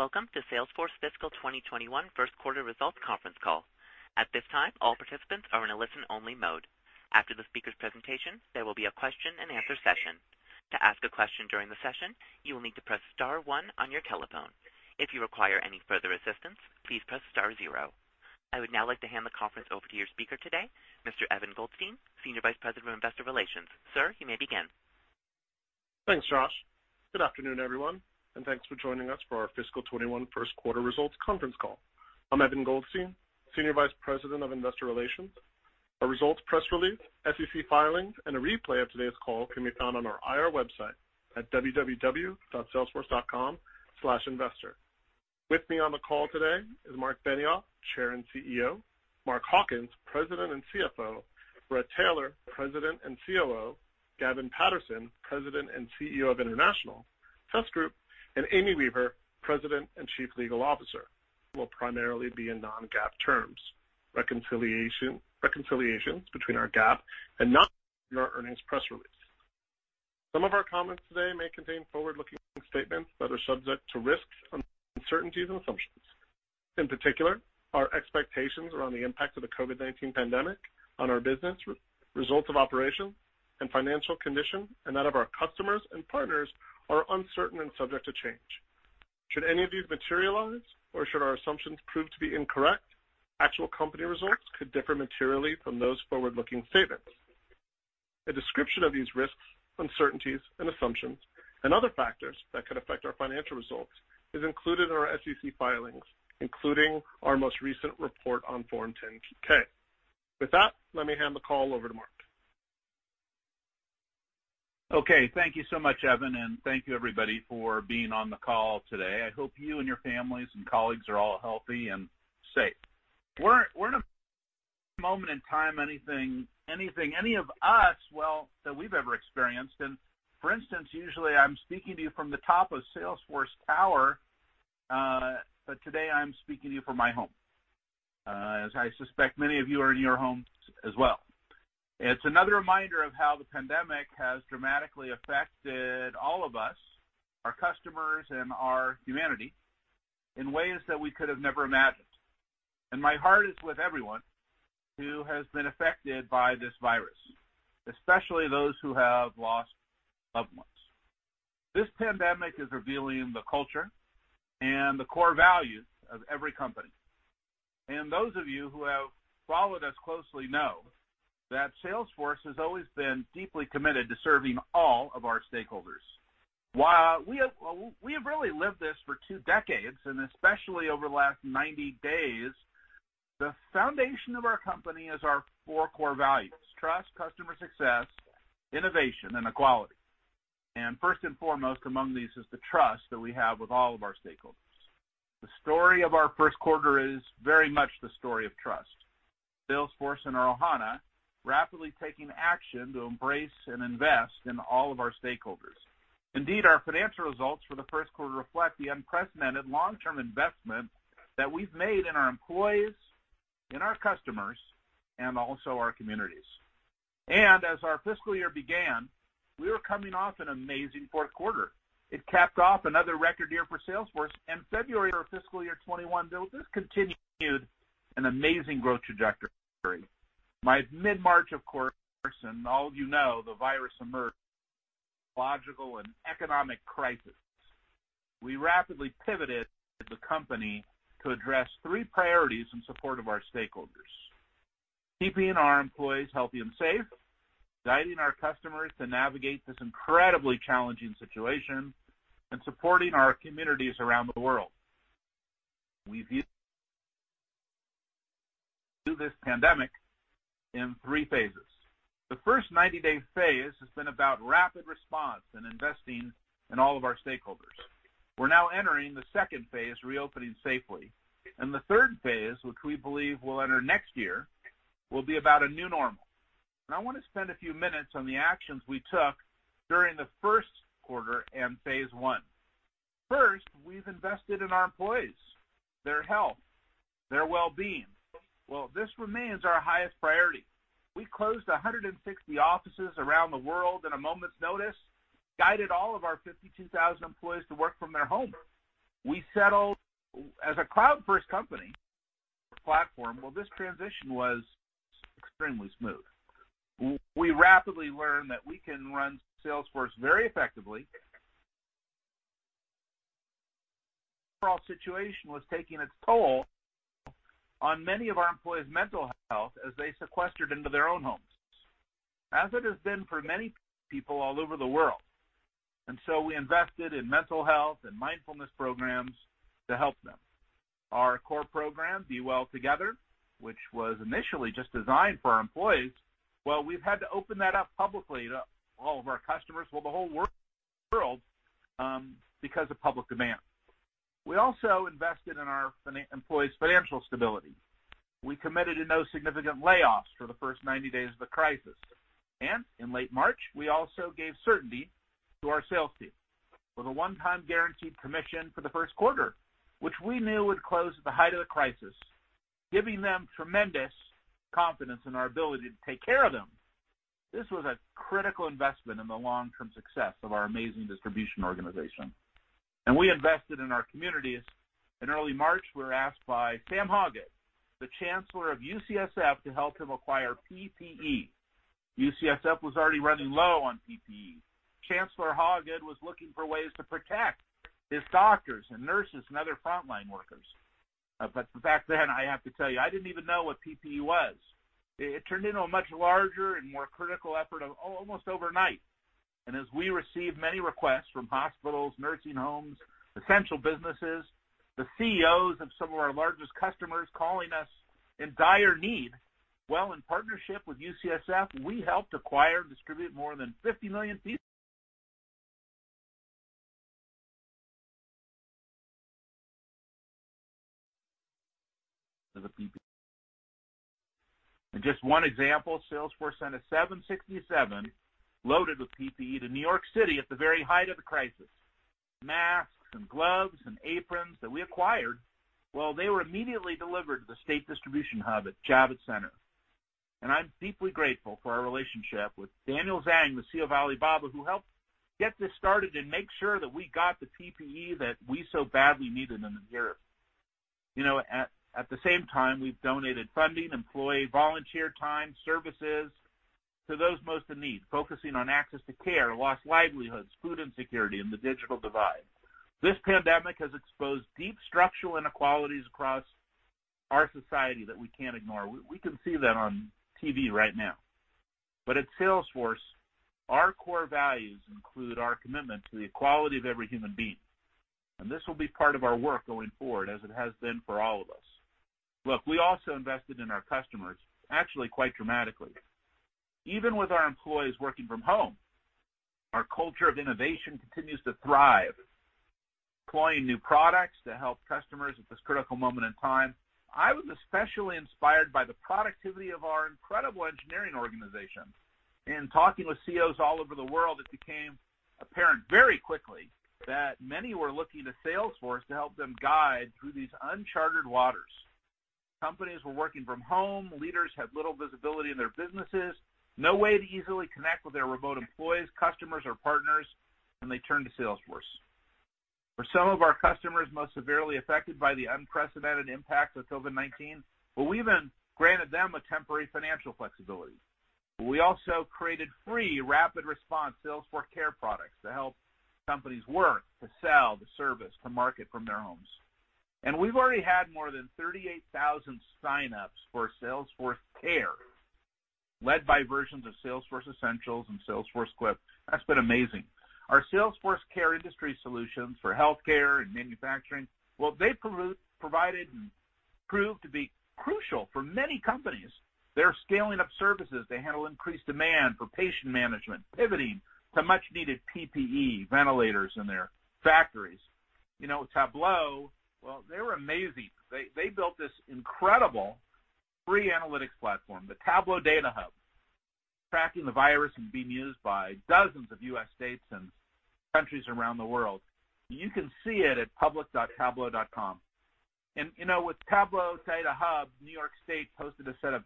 Welcome to Salesforce Fiscal 2021 First Quarter Results Conference Call. At this time, all participants are in a listen-only mode. After the speaker's presentation, there will be a question-and-answer session. To ask a question during the session, you will need to press star one on your telephone. If you require any further assistance, please press star zero. I would now like to hand the conference over to your speaker today, Mr. Evan Goldstein, Senior Vice President of Investor Relations. Sir, you may begin. Thanks, Josh. Good afternoon, everyone, and thanks for joining us for our Fiscal 2021 First Quarter Results Conference Call. I'm Evan Goldstein, Senior Vice President of Investor Relations. Our results press release, SEC filings, and a replay of today's call can be found on our IR website at www.salesforce.com/investor. With me on the call today is Marc Benioff, Chair and CEO, Mark Hawkins, President and CFO, Bret Taylor, President and COO, Gavin Patterson, President and CEO of Salesforce International, and Amy Weaver, President and Chief Legal Officer. We'll primarily be in non-GAAP terms. Reconciliations between our GAAP and non-GAAP are in our earnings press release. Some of our comments today may contain forward-looking statements that are subject to risks, uncertainties, and assumptions. In particular, our expectations around the impact of the COVID-19 pandemic on our business, results of operations, and financial condition, and that of our customers and partners are uncertain and subject to change. Should any of these materialize or should our assumptions prove to be incorrect, actual company results could differ materially from those forward-looking statements. A description of these risks, uncertainties, and assumptions, and other factors that could affect our financial results is included in our SEC filings, including our most recent report on Form 10-K. With that, let me hand the call over to Marc. Okay. Thank you so much, Evan. Thank you, everybody, for being on the call today. I hope you and your families and colleagues are all healthy and safe. We're in a moment in time, anything any of us, well, that we've ever experienced. For instance, usually I'm speaking to you from the top of Salesforce Tower, but today I'm speaking to you from my home. As I suspect many of you are in your homes as well. It's another reminder of how the pandemic has dramatically affected all of us, our customers, and our humanity in ways that we could have never imagined. My heart is with everyone who has been affected by this virus, especially those who have lost loved ones. This pandemic is revealing the culture and the core values of every company. Those of you who have followed us closely know that Salesforce has always been deeply committed to serving all of our stakeholders. While we have really lived this for two decades, and especially over the last 90 days, the foundation of our company is our four core values: trust, customer success, innovation, and equality. First and foremost among these is the trust that we have with all of our stakeholders. The story of our first quarter is very much the story of trust. Salesforce and our Ohana rapidly taking action to embrace and invest in all of our stakeholders. Indeed, our financial results for the first quarter reflect the unprecedented long-term investment that we've made in our employees, in our customers, and also our communities. As our fiscal year began, we were coming off an amazing fourth quarter. It capped off another record year for Salesforce. February of fiscal year 2021 built this continued an amazing growth trajectory. By mid-March, of course, and all of you know, the virus emerged, biological and economic crisis. We rapidly pivoted the company to address three priorities in support of our stakeholders. Keeping our employees healthy and safe, guiding our customers to navigate this incredibly challenging situation, and supporting our communities around the world. We view through this pandemic in three phases. The first 90-day phase has been about rapid response and investing in all of our stakeholders. We're now entering the second phase, reopening safely. The third phase, which we believe we'll enter next year, will be about a new normal. I want to spend a few minutes on the actions we took during the first quarter and phase I. First, we've invested in our employees, their health, their well-being. Well, this remains our highest priority. We closed 160 offices around the world in a moment's notice, guided all of our 52,000 employees to work from their home. We settled as a cloud-first company platform. Well, this transition was extremely smooth. We rapidly learned that we can run Salesforce very effectively. Overall situation was taking its toll on many of our employees' mental health as they sequestered into their own homes, as it has been for many people all over the world. We invested in mental health and mindfulness programs to help them. Our core program, B-Well Together, which was initially just designed for our employees, well, we've had to open that up publicly to all of our customers, well, the whole world, because of public demand. We also invested in our employees' financial stability. We committed to no significant layoffs for the first 90 days of the crisis. In late March, we also gave certainty to our sales team with a one-time guaranteed commission for the first quarter, which we knew would close at the height of the crisis, giving them tremendous confidence in our ability to take care of them. This was a critical investment in the long-term success of our amazing distribution organization. We invested in our communities. In early March, we were asked by Sam Hawgood, the Chancellor of UCSF, to help him acquire PPE. UCSF was already running low on PPE. Chancellor Hawgood was looking for ways to protect his doctors and nurses and other frontline workers. Back then, I have to tell you, I didn't even know what PPE was. It turned into a much larger and more critical effort almost overnight. As we received many requests from hospitals, nursing homes, essential businesses, the CEOs of some of our largest customers calling us in dire need. Well, in partnership with UCSF, we helped acquire and distribute more than 50 million pieces of PPE. In just one example, Salesforce sent a 767 loaded with PPE to New York City at the very height of the crisis. Masks and gloves and aprons that we acquired, well, they were immediately delivered to the state distribution hub at Javits Center. I'm deeply grateful for our relationship with Daniel Zhang, the CEO of Alibaba, who helped get this started and make sure that we got the PPE that we so badly needed in the year. At the same time, we've donated funding, employee volunteer time, services to those most in need, focusing on access to care, lost livelihoods, food insecurity, and the digital divide. This pandemic has exposed deep structural inequalities across our society that we can't ignore. We can see that on TV right now. At Salesforce, our core values include our commitment to the equality of every human being, and this will be part of our work going forward as it has been for all of us. Look, we also invested in our customers actually quite dramatically. Even with our employees working from home, our culture of innovation continues to thrive, deploying new products to help customers at this critical moment in time. I was especially inspired by the productivity of our incredible engineering organization. In talking with CEOs all over the world, it became apparent very quickly that many were looking to Salesforce to help them guide through these uncharted waters. Companies were working from home. Leaders had little visibility in their businesses, no way to easily connect with their remote employees, customers, or partners. They turned to Salesforce. For some of our customers most severely affected by the unprecedented impact of COVID-19, well, we even granted them a temporary financial flexibility. We also created free rapid response Salesforce Care products to help companies work, to sell, to service, to market from their homes. We've already had more than 38,000 sign-ups for Salesforce Care, led by versions of Salesforce Essentials and Salesforce Quip. That's been amazing. Our Salesforce Care industry solutions for healthcare and manufacturing, well, they provided and proved to be crucial for many companies. They're scaling up services. They handle increased demand for patient management, pivoting to much-needed PPE, ventilators in their factories. Tableau, well, they were amazing. They built this incredible free analytics platform, the Tableau Data Hub, tracking the virus and being used by dozens of U.S. states and countries around the world. You can see it at public.tableau.com. With the Tableau Data Hub, New York State posted a set of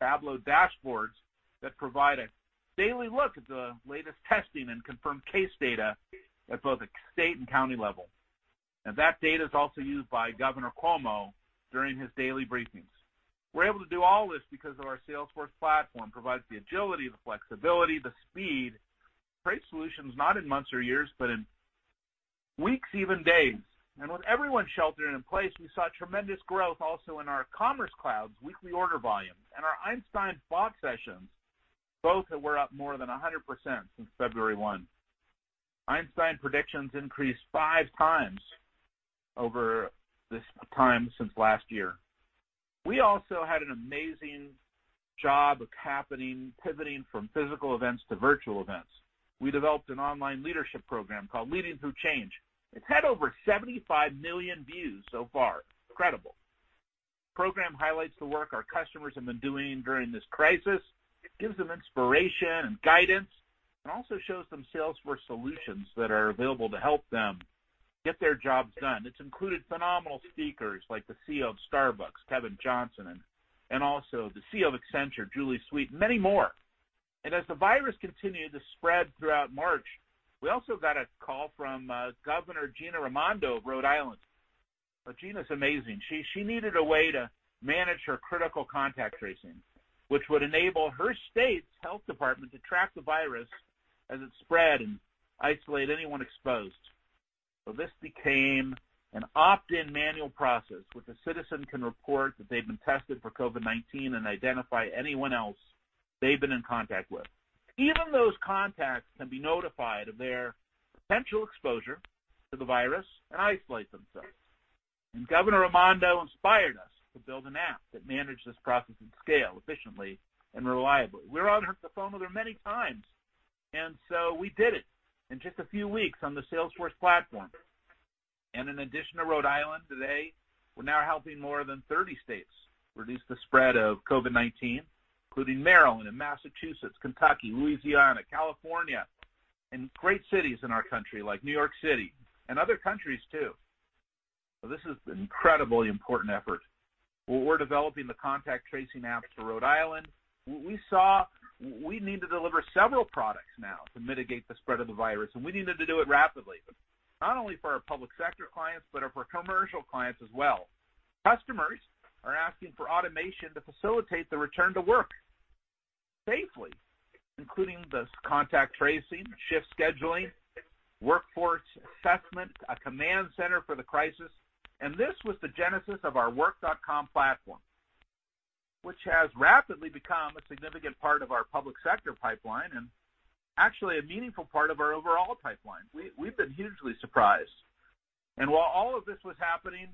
Tableau dashboards that provide a daily look at the latest testing and confirmed case data at both a state and county level. That data is also used by Governor Cuomo during his daily briefings. We're able to do all this because our Salesforce Platform provides the agility, the flexibility, the speed to create solutions not in months or years, but in weeks, even days. With everyone sheltering in place, we saw tremendous growth also in our Commerce Cloud's weekly order volumes and our Einstein Bot sessions, both that were up more than 100% since February 1. Einstein predictions increased five times over this time since last year. We also had an amazing job of happening, pivoting from physical events to virtual events. We developed an online leadership program called Leading Through Change. It's had over 75 million views so far. Incredible. The program highlights the work our customers have been doing during this crisis. It gives them inspiration and guidance, and also shows them Salesforce solutions that are available to help them get their jobs done. It's included phenomenal speakers like the CEO of Starbucks, Kevin Johnson, and also the CEO of Accenture, Julie Sweet, and many more. As the virus continued to spread throughout March, we also got a call from Governor Gina Raimondo of Rhode Island. Gina's amazing. She needed a way to manage her critical contact tracing, which would enable her state's health department to track the virus as it spread and isolate anyone exposed. This became an opt-in manual process, which a citizen can report that they've been tested for COVID-19 and identify anyone else they've been in contact with. Even those contacts can be notified of their potential exposure to the virus and isolate themselves. Governor Raimondo inspired us to build an app that managed this process and scale efficiently and reliably. We were on the phone with her many times, and so we did it in just a few weeks on the Salesforce Platform. In addition to Rhode Island, today, we're now helping more than 30 states reduce the spread of COVID-19, including Maryland and Massachusetts, Kentucky, Louisiana, California, and great cities in our country like New York City and other countries, too. This is an incredibly important effort. When we're developing the contact tracing apps for Rhode Island, we saw we need to deliver several products now to mitigate the spread of the virus, and we needed to do it rapidly. Not only for our public sector clients, but for commercial clients as well. Customers are asking for automation to facilitate the return to work safely, including the contact tracing, shift scheduling, workforce assessment, a command center for the crisis, and this was the genesis of our Work.com platform. Which has rapidly become a significant part of our public sector pipeline and actually a meaningful part of our overall pipeline. We've been hugely surprised. While all of this was happening,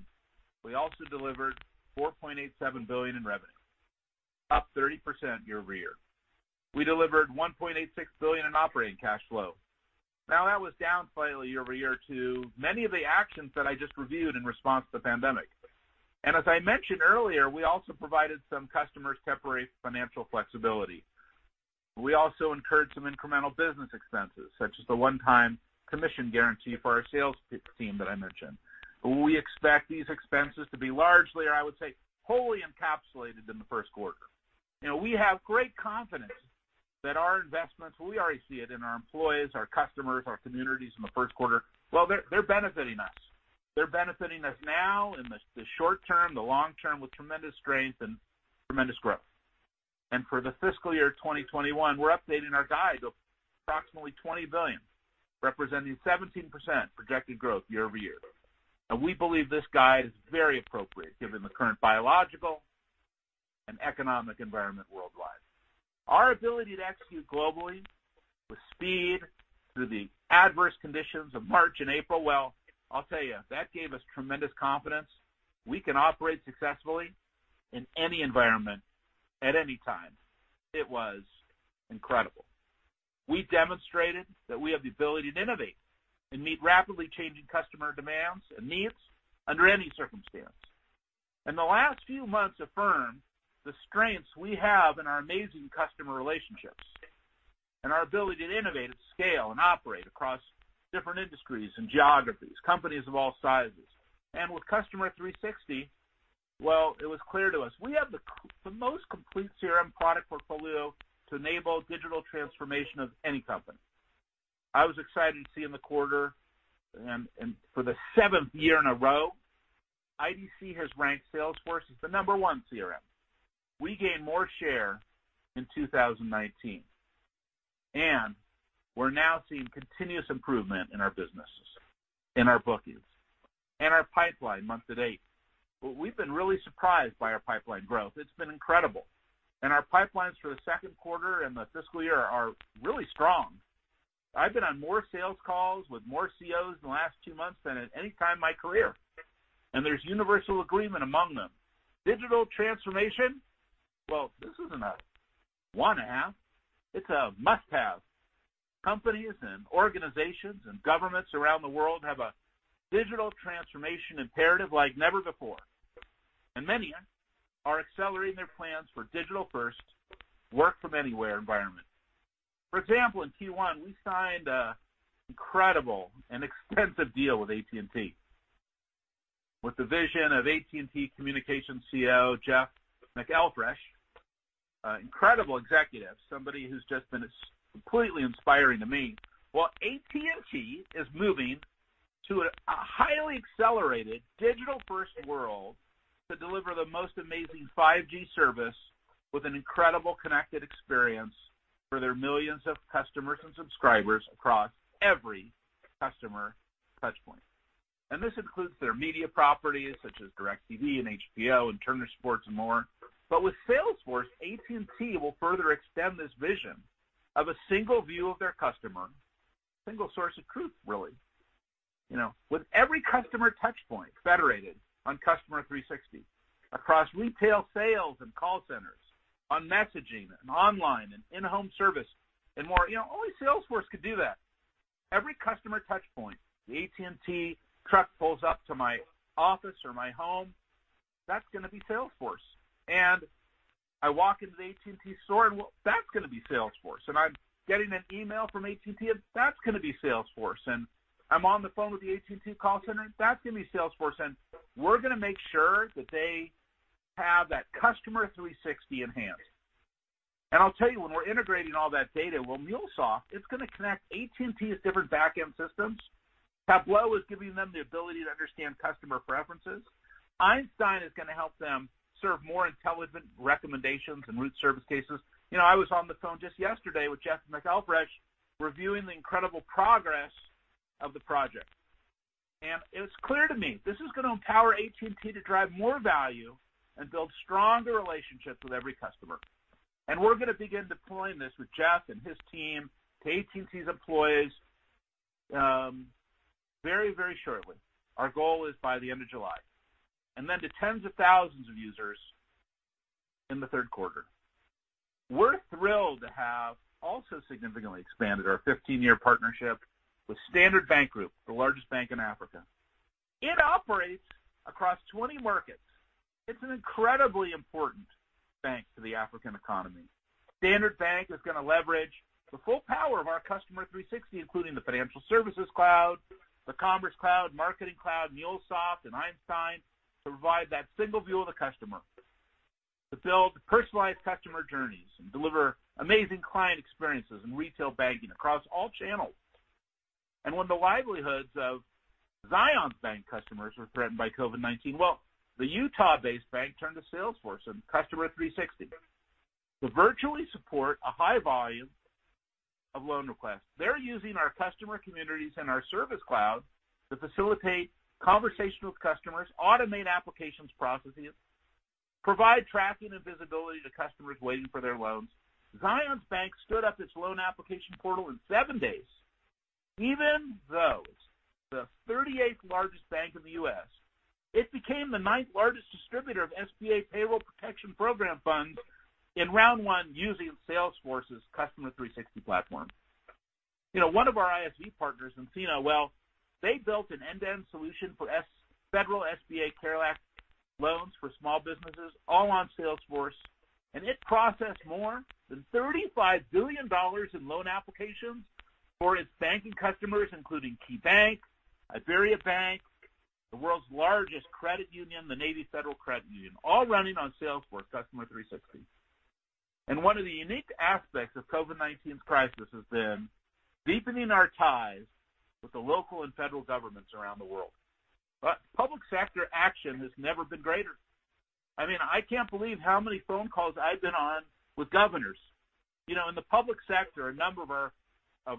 we also delivered $4.87 billion in revenue, up 30% year-over-year. We delivered $1.86 billion in operating cash flow. Now, that was down slightly year-over-year to many of the actions that I just reviewed in response to the pandemic. As I mentioned earlier, we also provided some customers temporary financial flexibility. We also incurred some incremental business expenses, such as the one-time commission guarantee for our sales team that I mentioned. We expect these expenses to be largely, or I would say, wholly encapsulated in the first quarter. We have great confidence that our investments, we already see it in our employees, our customers, our communities in the first quarter. Well, they're benefiting us. They're benefiting us now in the short-term, the long-term, with tremendous strength and tremendous growth. For the fiscal year 2021, we're updating our guide of approximately $20 billion, representing 17% projected growth year-over-year. We believe this guide is very appropriate given the current biological and economic environment worldwide. Our ability to execute globally with speed through the adverse conditions of March and April, well, I'll tell you, that gave us tremendous confidence. We can operate successfully in any environment at any time. It was incredible. We demonstrated that we have the ability to innovate and meet rapidly changing customer demands and needs under any circumstance. The last few months affirmed the strengths we have in our amazing customer relationships and our ability to innovate, scale, and operate across different industries and geographies, companies of all sizes. With Customer 360, well, it was clear to us, we have the most complete CRM product portfolio to enable digital transformation of any company. I was excited to see in the quarter, for the seventh year in a row, IDC has ranked Salesforce as the number one CRM. We gained more share in 2019. We're now seeing continuous improvement in our business, in our bookings, in our pipeline month-to-date. We've been really surprised by our pipeline growth. It's been incredible. Our pipelines for the second quarter and the fiscal year are really strong. I've been on more sales calls with more CEOs in the last two months than at any time in my career. There's universal agreement among them. Digital transformation, well, this isn't a want-to-have, it's a must-have. Companies and organizations and governments around the world have a digital transformation imperative like never before. Many are accelerating their plans for digital-first work from anywhere environment. For example, in Q1, we signed an incredible and extensive deal with AT&T with the vision of AT&T Communications CEO, Jeff McElfresh, incredible executive, somebody who's just been completely inspiring to me. AT&T is moving to a highly accelerated digital-first world to deliver the most amazing 5G service with an incredible connected experience for their millions of customers and subscribers across every customer touch point. This includes their media properties such as DIRECTV and HBO and Turner Sports and more. With Salesforce, AT&T will further extend this vision of a single view of their customer, single source of truth, really. With every customer touch point federated on Customer 360 across retail sales and call centers, on messaging and online and in-home service, and more. Only Salesforce could do that. Every customer touch point, the AT&T truck pulls up to my office or my home, that's going to be Salesforce. I walk into the AT&T store, well, that's going to be Salesforce. I'm getting an email from AT&T, that's going to be Salesforce. I'm on the phone with the AT&T call center, that's going to be Salesforce. We're going to make sure that they have that Customer 360 enhanced. I'll tell you, when we're integrating all that data, well, MuleSoft is going to connect AT&T's different back-end systems. Tableau is giving them the ability to understand customer preferences. Einstein is going to help them serve more intelligent recommendations and route service cases. I was on the phone just yesterday with Jeff McElfresh, reviewing the incredible progress of the project. It was clear to me, this is going to empower AT&T to drive more value and build stronger relationships with every customer. We're going to begin deploying this with Jeff and his team to AT&T's employees very shortly. Our goal is by the end of July. Then to tens of thousands of users in the third quarter. We're thrilled to have also significantly expanded our 15-year partnership with Standard Bank Group, the largest bank in Africa. It operates across 20 markets. It's an incredibly important bank to the African economy. Standard Bank is going to leverage the full power of our Customer 360, including the Financial Services Cloud, the Commerce Cloud, Marketing Cloud, MuleSoft, and Einstein to provide that single view of the customer, to build personalized customer journeys, and deliver amazing client experiences in retail banking across all channels. When the livelihoods of Zions Bank customers were threatened by COVID-19, well, the Utah-based bank turned to Salesforce and Customer 360 to virtually support a high volume of loan requests. They're using our customer communities and our Service Cloud to facilitate conversation with customers, automate applications processes, provide tracking and visibility to customers waiting for their loans. Zions Bank stood up its loan application portal in seven days. Even though it's the 38th largest bank in the U.S., it became the ninth-largest distributor of SBA Paycheck Protection Program funds in round one using Salesforce's Customer 360 platform. One of our ISV partners, nCino, well, they built an end-to-end solution for federal SBA CARES Act loans for small businesses all on Salesforce, and it processed more than $35 billion in loan applications for its banking customers, including KeyBank, IBERIABANK, the world's largest credit union, the Navy Federal Credit Union, all running on Salesforce Customer 360. One of the unique aspects of COVID-19's crisis has been deepening our ties with the local and federal governments around the world. Public sector action has never been greater. I can't believe how many phone calls I've been on with governors. In the public sector, a number of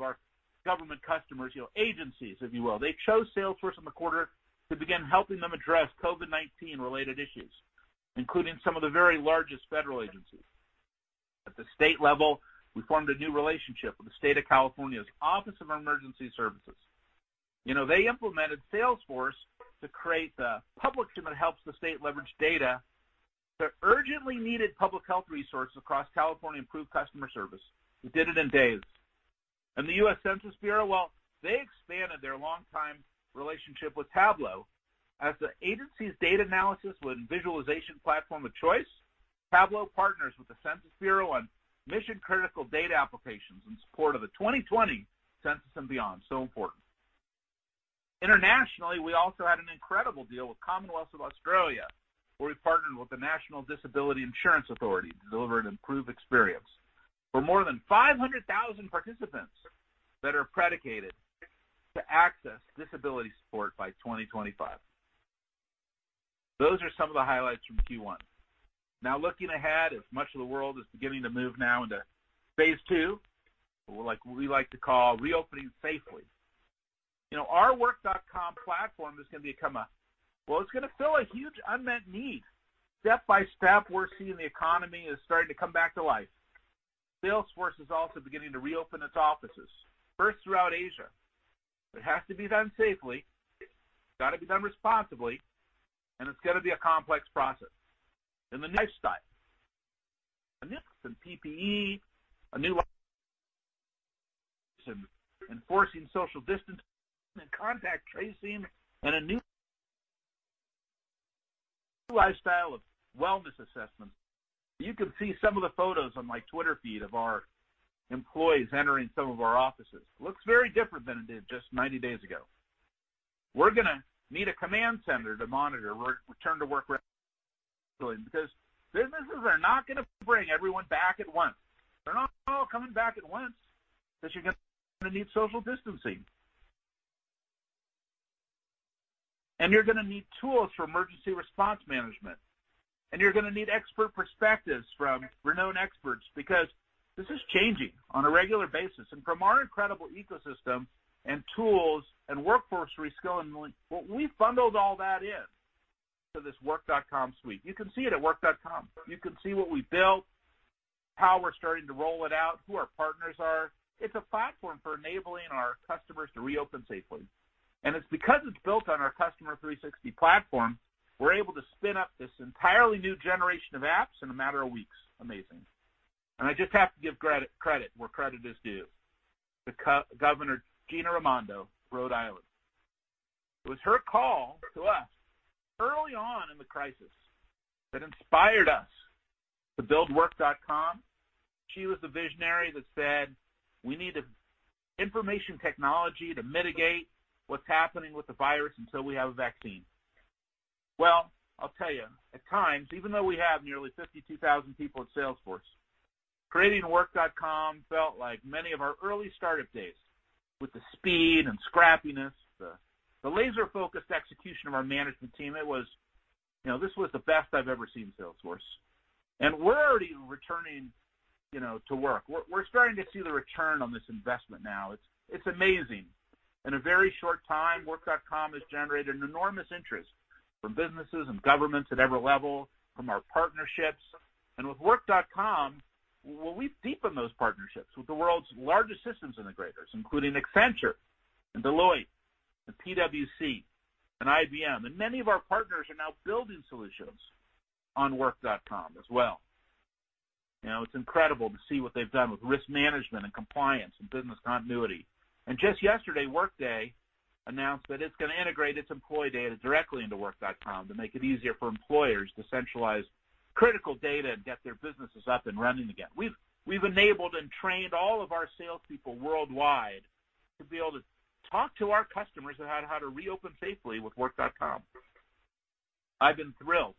our government customers, agencies, if you will, they chose Salesforce in the quarter to begin helping them address COVID-19-related issues, including some of the very largest federal agencies. At the state level, we formed a new relationship with the California Governor's Office of Emergency Services. They implemented Salesforce to create the public good that helps the state leverage data to urgently needed public health resources across California, improve customer service. We did it in days. The U.S. Census Bureau, they expanded their longtime relationship with Tableau as the agency's data analysis and visualization platform of choice. Tableau partners with the U.S. Census Bureau on mission-critical data applications in support of the 2020 Census and Beyond. Important. Internationally, we also had an incredible deal with Commonwealth of Australia, where we partnered with the National Disability Insurance Agency to deliver an improved experience for more than 500,000 participants that are predicted to access disability support by 2025. Those are some of the highlights from Q1. Looking ahead, as much of the world is beginning to move now into phase II, what we like to call reopening safely. Our Work.com platform, well, it's going to fill a huge unmet need. Step by step, we're seeing the economy is starting to come back to life. Salesforce is also beginning to reopen its offices, first throughout Asia. It has to be done safely, it's got to be done responsibly, and it's got to be a complex process. The lifestyle. A new PPE, a new enforcing social distancing and contact tracing, and a new lifestyle of wellness assessment. You can see some of the photos on my Twitter feed of our employees entering some of our offices. Looks very different than it did just 90 days ago. We're going to need a command center to monitor return-to-work regularly, because businesses are not going to bring everyone back at once. They're not all coming back at once, because you're going to need social distancing. You're going to need tools for emergency response management. You're going to need expert perspectives from renowned experts, because this is changing on a regular basis. From our incredible ecosystem and tools and workforce reskilling, well, we've bundled all that in to this Work.com suite. You can see it at Work.com. You can see what we built, how we're starting to roll it out, who our partners are. It's a platform for enabling our customers to reopen safely. It's because it's built on our Customer 360 platform, we're able to spin up this entirely new generation of apps in a matter of weeks. Amazing. I just have to give credit where credit is due to Governor Gina Raimondo, Rhode Island. It was her call to us early on in the crisis that inspired us to build Work.com. She was the visionary that said, "We need information technology to mitigate what's happening with the virus until we have a vaccine." Well, I'll tell you, at times, even though we have nearly 52,000 people at Salesforce, creating Work.com felt like many of our early startup days, with the speed and scrappiness, the laser-focused execution of our management team. This was the best I've ever seen Salesforce. We're already returning to work. We're starting to see the return on this investment now. It's amazing. In a very short time, Work.com has generated an enormous interest from businesses and governments at every level, from our partnerships. With Work.com, well, we deepen those partnerships with the world's largest systems integrators, including Accenture and Deloitte and PwC and IBM. Many of our partners are now building solutions on Work.com as well. It's incredible to see what they've done with risk management and compliance and business continuity. Just yesterday, Workday announced that it's going to integrate its employee data directly into Work.com to make it easier for employers to centralize critical data and get their businesses up and running again. We've enabled and trained all of our salespeople worldwide to be able to talk to our customers on how to reopen safely with Work.com. I've been thrilled.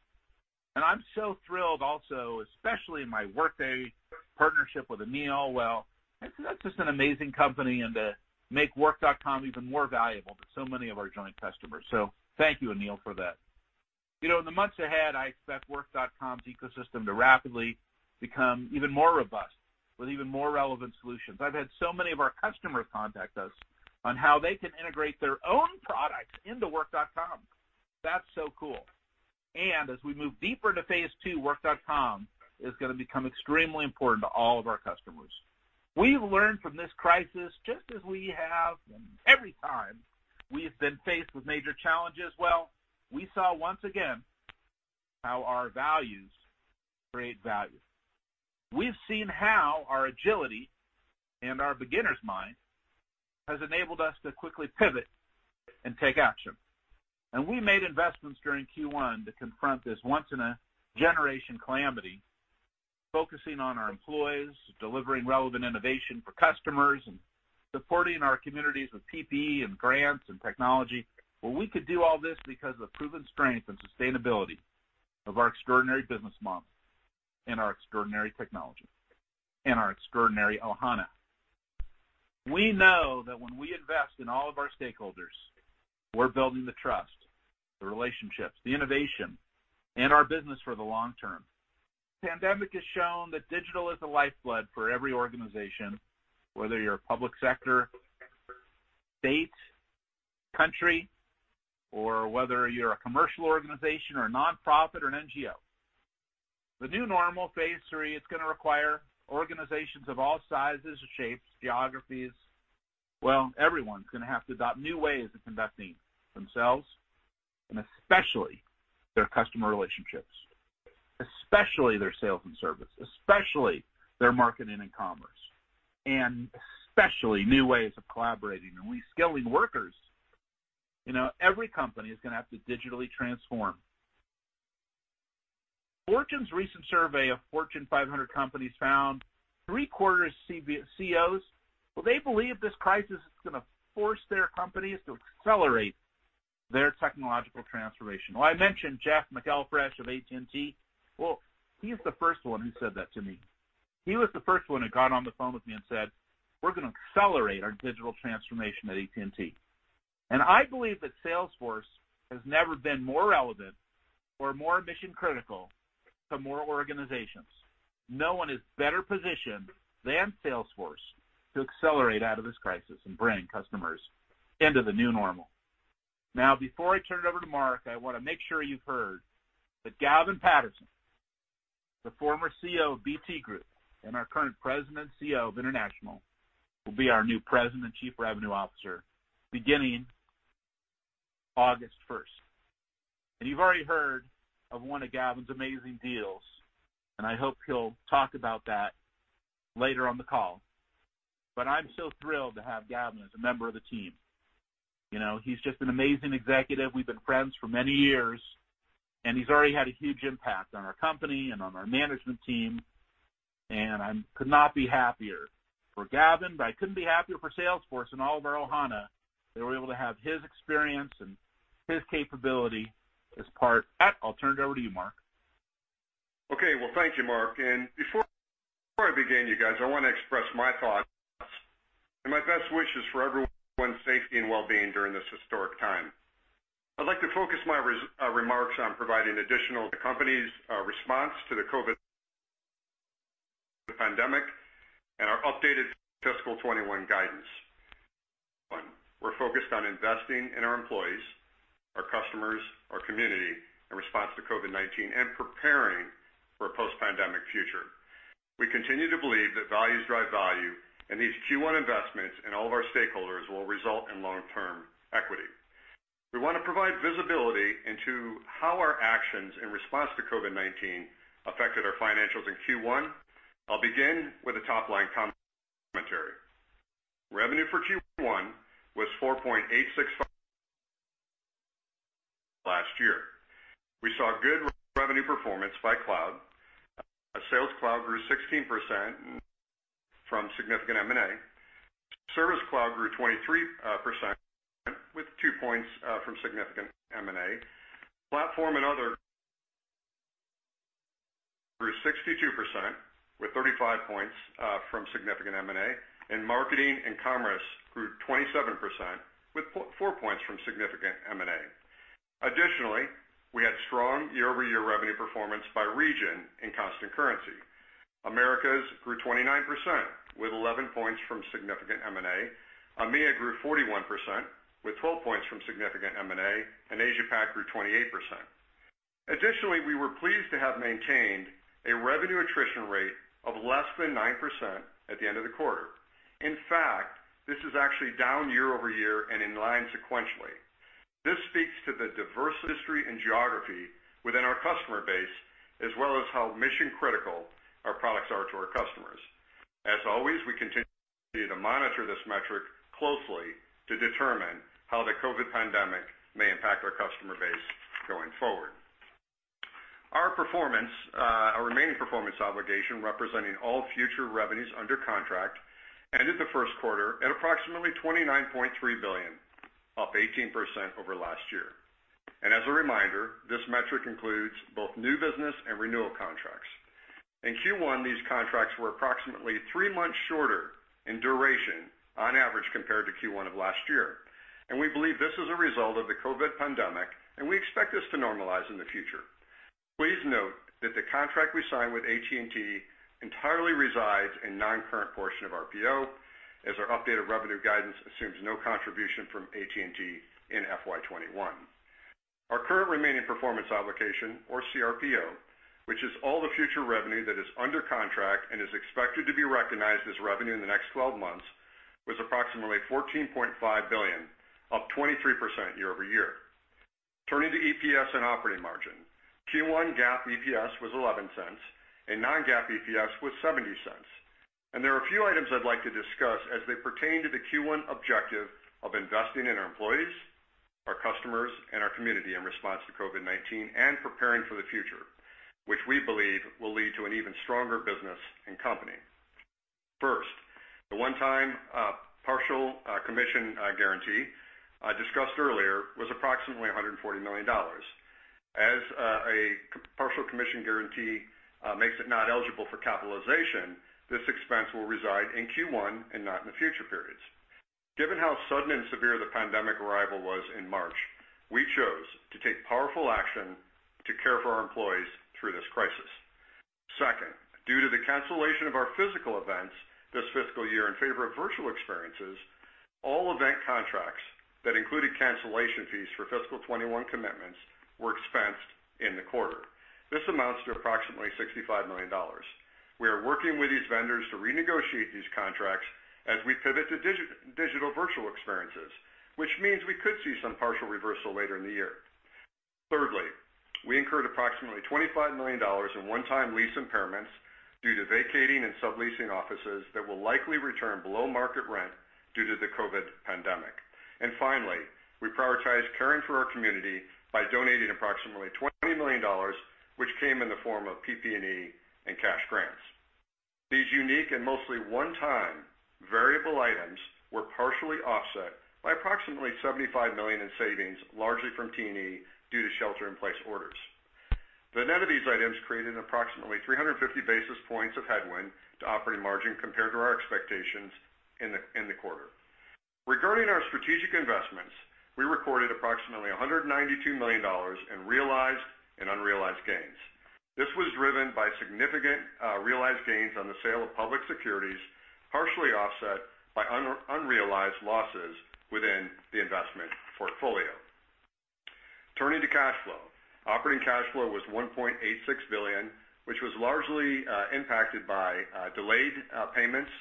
I'm so thrilled also, especially in my Workday partnership with Aneel. Well, that's just an amazing company, and to make Work.com even more valuable to so many of our joint customers. Thank you, Aneel, for that. In the months ahead, I expect Work.com's ecosystem to rapidly become even more robust with even more relevant solutions. I've had so many of our customers contact us on how they can integrate their own products into Work.com. That's so cool. As we move deeper into phase II, Work.com is going to become extremely important to all of our customers. We've learned from this crisis, just as we have every time we've been faced with major challenges, we saw once again how our values create value. We've seen how our agility and our beginner's mind has enabled us to quickly pivot and take action. We made investments during Q1 to confront this once-in-a-generation calamity, focusing on our employees, delivering relevant innovation for customers, and supporting our communities with PPE and grants and technology. We could do all this because of the proven strength and sustainability of our extraordinary business model and our extraordinary technology and our extraordinary Ohana. We know that when we invest in all of our stakeholders, we're building the trust, the relationships, the innovation in our business for the long term. The pandemic has shown that digital is the lifeblood for every organization, whether you're a public sector, state, country, or whether you're a commercial organization or a nonprofit or an NGO. The new normal phase III is going to require organizations of all sizes and shapes, geographies. Everyone's going to have to adopt new ways of conducting themselves, and especially their customer relationships, especially their Sales and Service, especially their Marketing and Commerce, and especially new ways of collaborating and reskilling workers. Every company is going to have to digitally transform. Fortune's recent survey of Fortune 500 companies found three-quarters of CEOs, well, they believe this crisis is going to force their companies to accelerate their technological transformation. Well, I mentioned Jeff McElfresh of AT&T. Well, he's the first one who said that to me. He was the first one who got on the phone with me and said, "We're going to accelerate our digital transformation at AT&T." I believe that Salesforce has never been more relevant or more mission-critical to more organizations. No one is better positioned than Salesforce to accelerate out of this crisis and bring customers into the new normal. Before I turn it over to Mark, I want to make sure you've heard that Gavin Patterson, the former CEO of BT Group and our current President and CEO of International, will be our new President and Chief Revenue Officer beginning August first. You've already heard of one of Gavin's amazing deals, and I hope he'll talk about that later on the call. I'm so thrilled to have Gavin as a member of the team. He's just an amazing executive. We've been friends for many years, and he's already had a huge impact on our company and on our management team, and I could not be happier for Gavin, but I couldn't be happier for Salesforce and all of our Ohana that we're able to have his experience and his capability as part. I'll turn it over to you, Mark. Okay. Well, thank you, Marc. Before I begin, you guys, I want to express my thoughts and my best wishes for everyone's safety and well-being during this historic time. I'd like to focus my remarks on providing additional company's response to the COVID pandemic and our updated fiscal 2021 guidance. We're focused on investing in our employees, our customers, our community in response to COVID-19 and preparing for a post-pandemic future. We continue to believe that values drive value, and these Q1 investments in all of our stakeholders will result in long-term equity. We want to provide visibility into how our actions in response to COVID-19 affected our financials in Q1. I'll begin with a top-line commentary. Revenue for Q1 was $4.86 last year. We saw good revenue performance by cloud. Our Sales Cloud grew 16% from significant M&A. Service Cloud grew 23% with two points from significant M&A. Platform and Other grew 62% with 35 points from significant M&A. Marketing and Commerce grew 27% with 4 points from significant M&A. Additionally, we had strong year-over-year revenue performance by region in constant currency. Americas grew 29% with 11 points from significant M&A. EMEA grew 41% with 12 points from significant M&A, and Asia Pac grew 28%. Additionally, we were pleased to have maintained a revenue attrition rate of less than 9% at the end of the quarter. In fact, this is actually down year-over-year and in line sequentially. This speaks to the diverse industry and geography within our customer base, as well as how mission-critical our products are to our customers. As always, we continue to monitor this metric closely to determine how the COVID-19 pandemic may impact our customer base going forward. Our remaining performance obligation representing all future revenues under contract ended the first quarter at approximately $29.3 billion, up 18% over last year. As a reminder, this metric includes both new business and renewal contracts. In Q1, these contracts were approximately three months shorter in duration on average compared to Q1 of last year. We believe this is a result of the COVID pandemic, and we expect this to normalize in the future. Please note that the contract we signed with AT&T entirely resides in non-current portion of RPO, as our updated revenue guidance assumes no contribution from AT&T in FY 2021. Our current remaining performance obligation or CRPO, which is all the future revenue that is under contract and is expected to be recognized as revenue in the next 12 months, was approximately $14.5 billion, up 23% year-over-year. Turning to EPS and operating margin. Q1 GAAP EPS was $0.11 and non-GAAP EPS was $0.70. There are a few items I'd like to discuss as they pertain to the Q1 objective of investing in our employees, our customers, and our community in response to COVID-19 and preparing for the future, which we believe will lead to an even stronger business and company. First, the one-time partial commission guarantee I discussed earlier was approximately $140 million. As a partial commission guarantee makes it not eligible for capitalization, this expense will reside in Q1 and not in the future periods. Given how sudden and severe the pandemic arrival was in March, we chose to take powerful action to care for our employees through this crisis. Second, due to the cancellation of our physical events this fiscal year in favor of virtual experiences, all event contracts that included cancellation fees for fiscal 2021 commitments were expensed in the quarter. This amounts to approximately $65 million. We are working with these vendors to renegotiate these contracts as we pivot to digital virtual experiences, which means we could see some partial reversal later in the year. Thirdly, we incurred approximately $25 million in one-time lease impairments due to vacating and subleasing offices that will likely return below-market rent due to the COVID-19 pandemic. Finally, we prioritized caring for our community by donating approximately $20 million, which came in the form of PPE and cash grants. These unique and mostly one-time variable items were partially offset by approximately $75 million in savings, largely from T&E, due to shelter-in-place orders. The net of these items created approximately 350 basis points of headwind to operating margin compared to our expectations in the quarter. Regarding our strategic investments, we recorded approximately $192 million in realized and unrealized gains. This was driven by significant realized gains on the sale of public securities, partially offset by unrealized losses within the investment portfolio. Turning to cash flow. Operating cash flow was $1.86 billion, which was largely impacted by delayed payments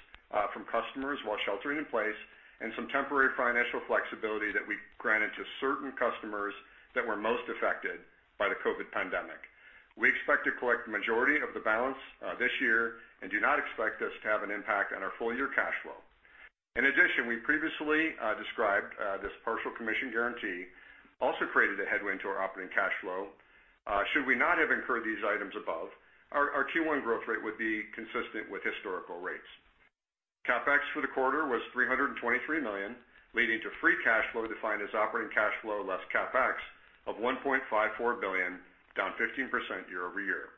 from customers while sheltering in place and some temporary financial flexibility that we granted to certain customers that were most affected by the COVID pandemic. We expect to collect the majority of the balance this year and do not expect this to have an impact on our full-year cash flow. In addition, we previously described this partial commission guarantee also created a headwind to our operating cash flow. Should we not have incurred these items above, our Q1 growth rate would be consistent with historical rates. CapEx for the quarter was $323 million, leading to free cash flow defined as operating cash flow less CapEx of $1.54 billion, down 15% year-over-year.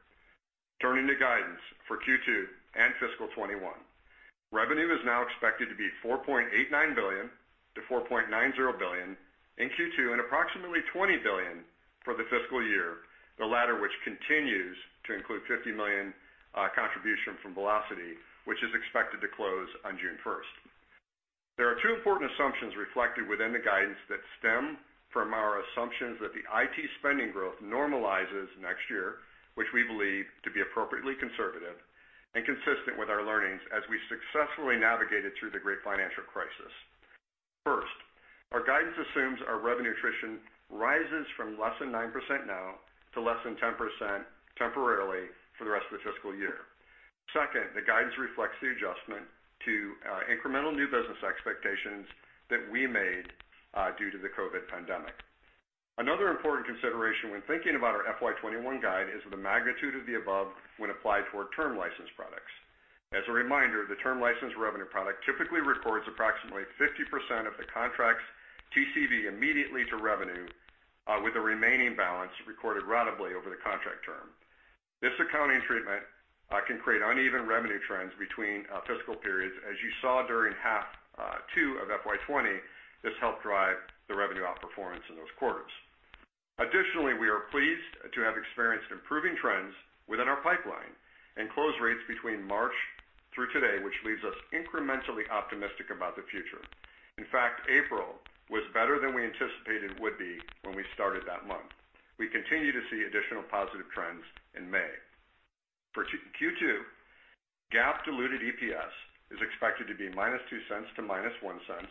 Turning to guidance for Q2 and fiscal 2021. Revenue is now expected to be $4.89 billion-$4.90 billion in Q2 and approximately $20 billion for the fiscal year, the latter which continues to include $50 million contribution from Vlocity, which is expected to close on June 1st. There are two important assumptions reflected within the guidance that stem from our assumptions that the IT spending growth normalizes next year, which we believe to be appropriately conservative and consistent with our learnings as we successfully navigated through the great financial crisis. First, our guidance assumes our revenue attrition rises from less than 9% now to less than 10% temporarily for the rest of the fiscal year. Second, the guidance reflects the adjustment to incremental new business expectations that we made due to the COVID pandemic. Another important consideration when thinking about our FY 2021 guide is the magnitude of the above when applied to our term license products. As a reminder, the term license revenue product typically records approximately 50% of the contract's TCV immediately to revenue, with the remaining balance recorded ratably over the contract term. This accounting treatment can create uneven revenue trends between fiscal periods. As you saw during half two of FY 2020, this helped drive the revenue outperformance in those quarters. Additionally, we are pleased to have experienced improving trends within our pipeline and close rates between March through today, which leaves us incrementally optimistic about the future. In fact, April was better than we anticipated would be when we started that month. We continue to see additional positive trends in May. For Q2, GAAP diluted EPS is expected to be -$0.02 to -$0.01,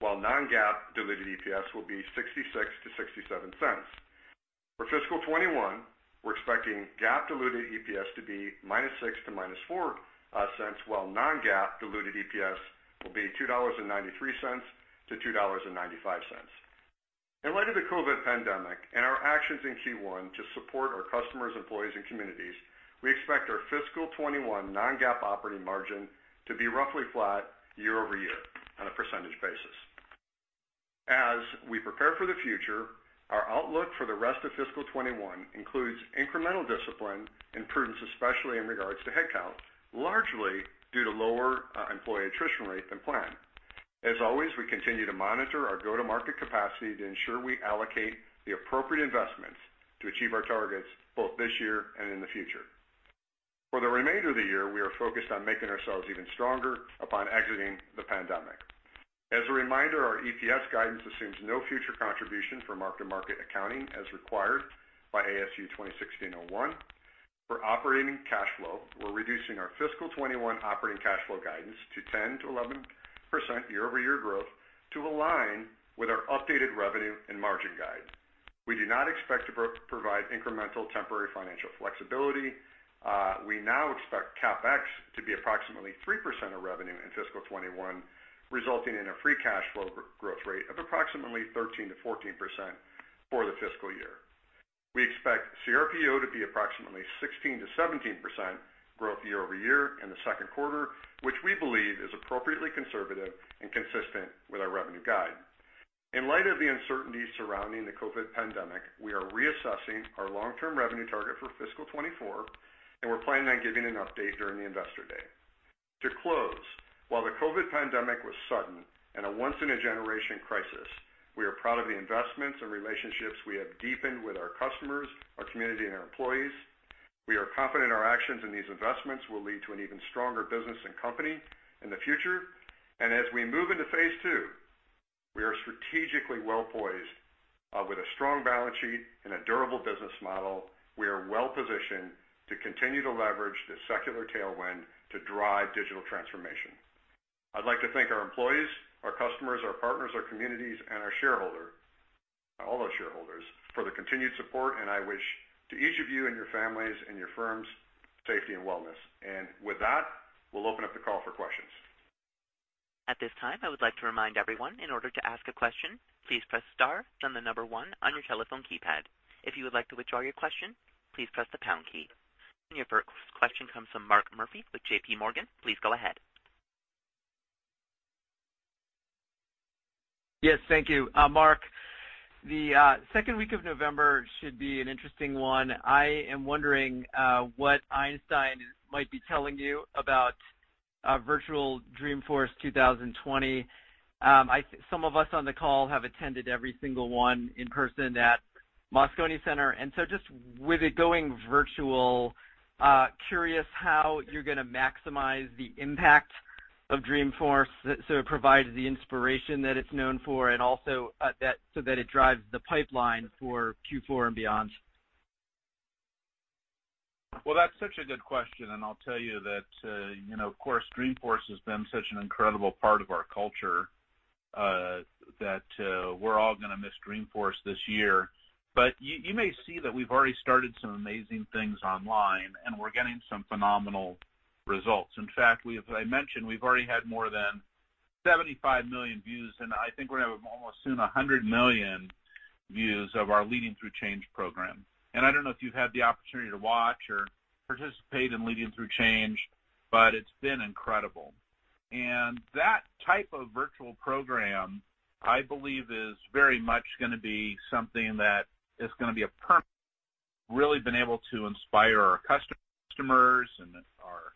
while non-GAAP diluted EPS will be $0.66-$0.67. For fiscal 2021, we're expecting GAAP diluted EPS to be -$0.06 to -$0.04, while non-GAAP diluted EPS will be $2.93-$2.95. In light of the COVID pandemic and our actions in Q1 to support our customers, employees, and communities, we expect our fiscal 2021 non-GAAP operating margin to be roughly flat year-over-year on a percentage basis. As we prepare for the future, our outlook for the rest of fiscal 2021 includes incremental discipline and prudence, especially in regards to headcount, largely due to lower employee attrition rate than planned. As always, we continue to monitor our go-to-market capacity to ensure we allocate the appropriate investments to achieve our targets both this year and in the future. For the remainder of the year, we are focused on making ourselves even stronger upon exiting the pandemic. As a reminder, our EPS guidance assumes no future contribution for mark-to-market accounting as required by ASU 2016-01. For operating cash flow, we're reducing our fiscal 2021 operating cash flow guidance to 10%-11% year-over-year growth to align with our updated revenue and margin guide. We do not expect to provide incremental temporary financial flexibility. We now expect CapEx to be approximately 3% of revenue in fiscal 2021, resulting in a free cash flow growth rate of approximately 13%-14% for the fiscal year. We expect CRPO to be approximately 16%-17% growth year-over-year in the second quarter, which we believe is appropriately conservative and consistent with our revenue guide. In light of the uncertainty surrounding the COVID-19 pandemic, we are reassessing our long-term revenue target for fiscal 2024. We're planning on giving an update during the Investor Day. To close, while the COVID-19 pandemic was sudden and a once-in-a-generation crisis, we are proud of the investments and relationships we have deepened with our customers, our community, and our employees. We are confident our actions in these investments will lead to an even stronger business and company in the future. As we move into phase II, we are strategically well-poised. With a strong balance sheet and a durable business model, we are well-positioned to continue to leverage this secular tailwind to drive digital transformation. I'd like to thank our employees, our customers, our partners, our communities, and all our shareholders for the continued support. I wish to each of you and your families and your firms safety and wellness. With that, we'll open up the call for questions. At this time, I would like to remind everyone, in order to ask a question, please press star, then the number one on your telephone keypad. If you would like to withdraw your question, please press the pound key. Your first question comes from Mark Murphy with JPMorgan. Please go ahead. Yes, thank you. Marc, the second week of November should be an interesting one. I am wondering what Einstein might be telling you about virtual Dreamforce 2020. Some of us on the call have attended every single one in person at Moscone Center, and so just with it going virtual, curious how you're going to maximize the impact of Dreamforce so it provides the inspiration that it's known for, and also so that it drives the pipeline for Q4 and beyond. Well, that's such a good question, and I'll tell you that, of course, Dreamforce has been such an incredible part of our culture, that we're all going to miss Dreamforce this year. You may see that we've already started some amazing things online, and we're getting some phenomenal results. In fact, as I mentioned, we've already had more than 75 million views, and I think we're going to have almost soon 100 million views of our Leading Through Change program. I don't know if you've had the opportunity to watch or participate in Leading Through Change, but it's been incredible. That type of virtual program, I believe, is very much going to be something that is going to be a permanent. It's really been able to inspire our customers and our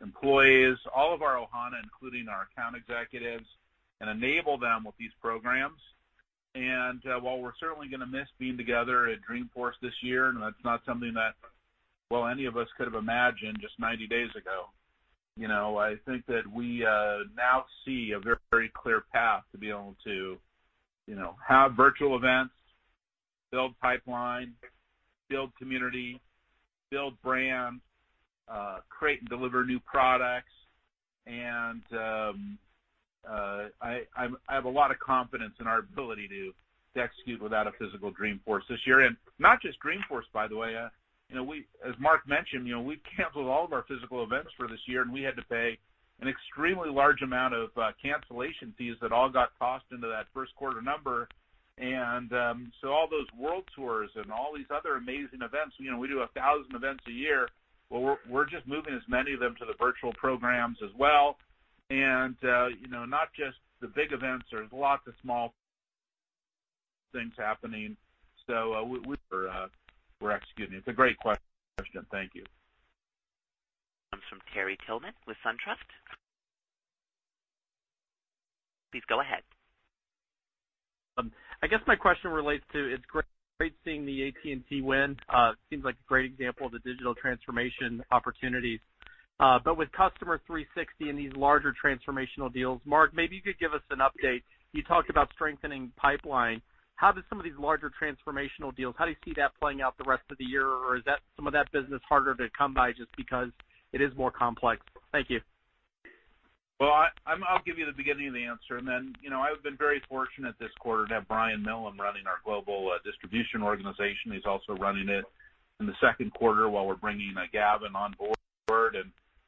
employees, all of our ohana, including our account executives, and enable them with these programs. While we're certainly going to miss being together at Dreamforce this year, that's not something that, well, any of us could have imagined just 90 days ago. I think that we now see a very clear path to be able to have virtual events, build pipeline, build community, build brand, create and deliver new products. I have a lot of confidence in our ability to execute without a physical Dreamforce this year. Not just Dreamforce, by the way. As Mark mentioned, we've canceled all of our physical events for this year, and we had to pay an extremely large amount of cancellation fees that all got tossed into that first quarter number. All those world tours and all these other amazing events, we do 1,000 events a year. Well, we're just moving as many of them to the virtual programs as well. Not just the big events. There's lots of small things happening. We're executing. It's a great question. Thank you. From Terry Tillman with SunTrust. Please go ahead. I guess my question relates to, it's great seeing the AT&T win. It seems like a great example of the digital transformation opportunities. With Customer 360 and these larger transformational deals, Marc, maybe you could give us an update. You talked about strengthening pipeline. How do some of these larger transformational deals, how do you see that playing out the rest of the year? Or is some of that business harder to come by just because it is more complex? Thank you. Well, I'll give you the beginning of the answer. Then I've been very fortunate this quarter to have Brian Millham running our global distribution organization. He's also running it in the second quarter while we're bringing Gavin on board.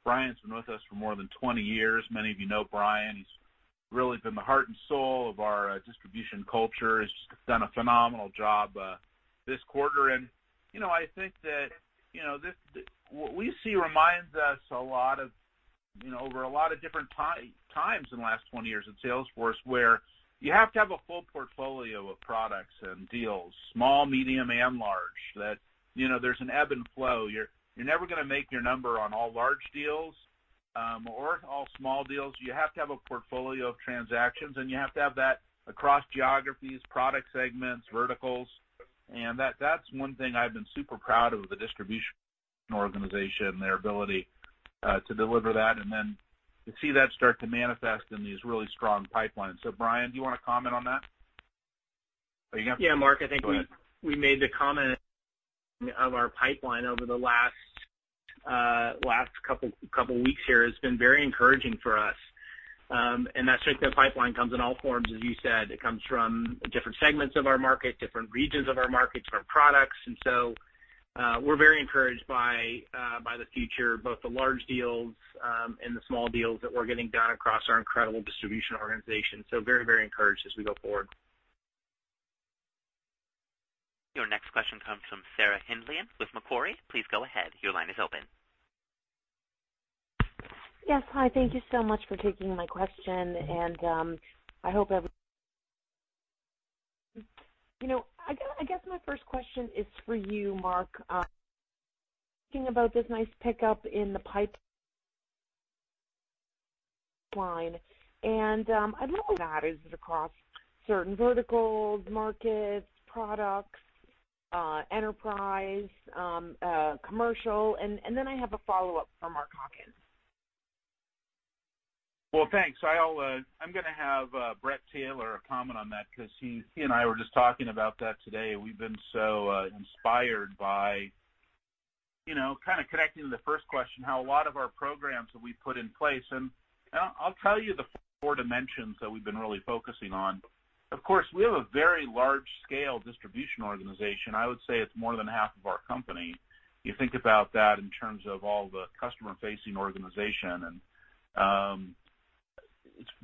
Brian's been with us for more than 20 years. Many of you know Brian. He's really been the heart and soul of our distribution culture, has done a phenomenal job this quarter. I think that what we see reminds us a lot of, over a lot of different times in the last 20 years at Salesforce, where you have to have a full portfolio of products and deals, small, medium, and large. That there's an ebb and flow. You're never going to make your number on all large deals or all small deals. You have to have a portfolio of transactions, and you have to have that across geographies, product segments, verticals. That's one thing I've been super proud of with the distribution organization, their ability to deliver that, and then to see that start to manifest in these really strong pipelines. Brian, do you want to comment on that? Are you going to? Yeah, Marc, I think. Go ahead. Made the comment of our pipeline over the last couple weeks here has been very encouraging for us. That strengthened pipeline comes in all forms, as you said. It comes from different segments of our market, different regions of our market, different products. We're very encouraged by the future, both the large deals and the small deals that we're getting done across our incredible distribution organization. Very encouraged as we go forward. Your next question comes from Sarah Hindlian with Macquarie. Please go ahead. Your line is open. Yes. Hi, thank you so much for taking my question. I guess my first question is for you, Marc, thinking about this nice pickup in the pipeline. I'd love that. Is it across certain verticals, markets, products, enterprise, commercial? I have a follow-up for Mark Hawkins. Well, thanks. I'm going to have Bret Taylor comment on that because he and I were just talking about that today. We've been so inspired by kind of connecting to the first question, how a lot of our programs that we've put in place. I'll tell you the four dimensions that we've been really focusing on. Of course, we have a very large-scale distribution organization. I would say it's more than half of our company. You think about that in terms of all the customer-facing organization.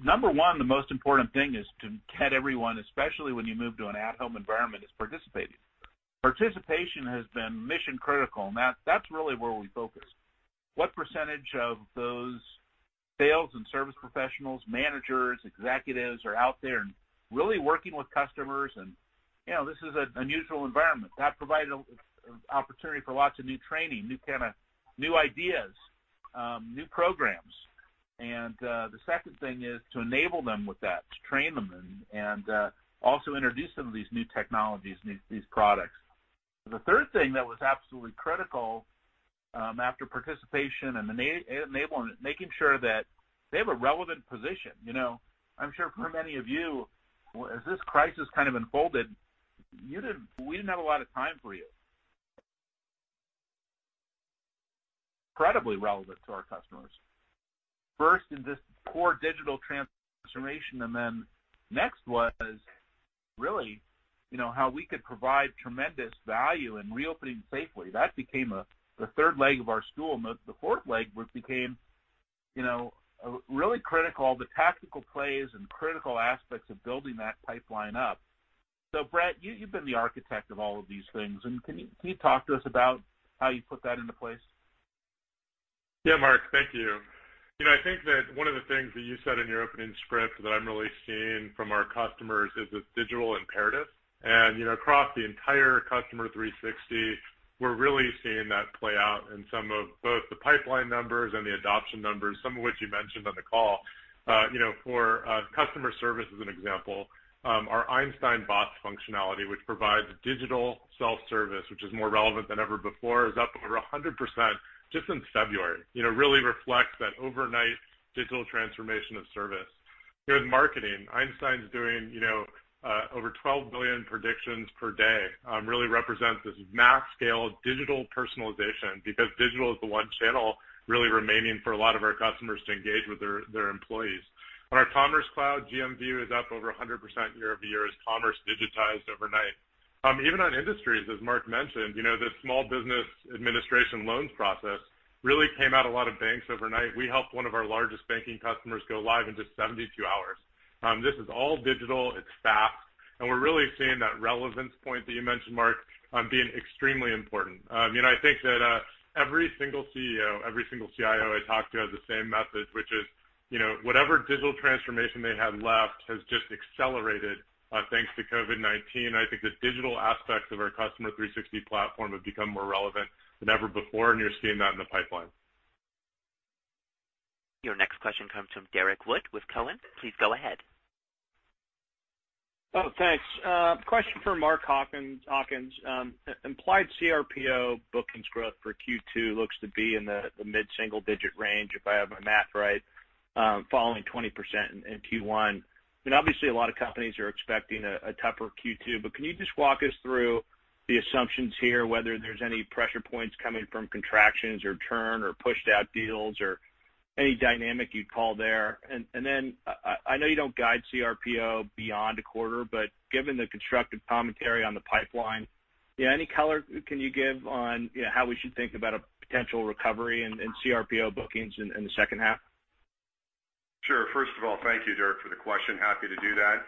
Number one, the most important thing is to get everyone, especially when you move to an at-home environment, is participating. Participation has been mission-critical, and that's really where we focused. What percentage of those sales and service professionals, managers, executives are out there and really working with customers? This is an unusual environment. That provided an opportunity for lots of new training, new ideas, new programs. The second thing is to enable them with that, to train them, and also introduce some of these new technologies, these products. The third thing that was absolutely critical, after participation and enabling it, making sure that they have a relevant position. I'm sure for many of you, as this crisis kind of unfolded, we didn't have a lot of time for you. Incredibly relevant to our customers. First in this core digital transformation, next was really how we could provide tremendous value in reopening safely. That became the third leg of our stool. The fourth leg became really critical, the tactical plays and critical aspects of building that pipeline up. Bret, you've been the architect of all of these things, and can you talk to us about how you put that into place? Yeah, Marc. Thank you. I think that one of the things that you said in your opening script that I'm really seeing from our customers is this digital imperative. Across the entire Customer 360, we're really seeing that play out in some of both the pipeline numbers and the adoption numbers, some of which you mentioned on the call. For customer service as an example, our Einstein Bots functionality, which provides digital self-service, which is more relevant than ever before, is up over 100% just in February. Really reflects that overnight digital transformation of service. With marketing, Einstein's doing over 12 billion predictions per day, really represents this mass-scale digital personalization because digital is the one channel really remaining for a lot of our customers to engage with their employees. On our Commerce Cloud, GMV is up over 100% year-over-year as commerce digitized overnight. Even on industries, as Marc mentioned, the Small Business Administration loans process really came out a lot of banks overnight. We helped one of our largest banking customers go live in just 72 hours. This is all digital, it's fast, and we're really seeing that relevance point that you mentioned, Marc, being extremely important. I think that every single CEO, every single CIO I talk to has the same message, which is, whatever digital transformation they had left has just accelerated, thanks to COVID-19. I think the digital aspects of our Customer 360 platform have become more relevant than ever before, and you're seeing that in the pipeline. Your next question comes from Derrick Wood with Cowen. Please go ahead. Oh, thanks. Question for Mark Hawkins. Implied CRPO bookings growth for Q2 looks to be in the mid-single-digit range, if I have my math right, following 20% in Q1. Obviously a lot of companies are expecting a tougher Q2, can you just walk us through the assumptions here, whether there's any pressure points coming from contractions or churn or pushed out deals or any dynamic you'd call there? I know you don't guide CRPO beyond a quarter, given the constructive commentary on the pipeline, any color can you give on how we should think about a potential recovery in CRPO bookings in the second half? Sure. First of all, thank you, Derrick, for the question. Happy to do that.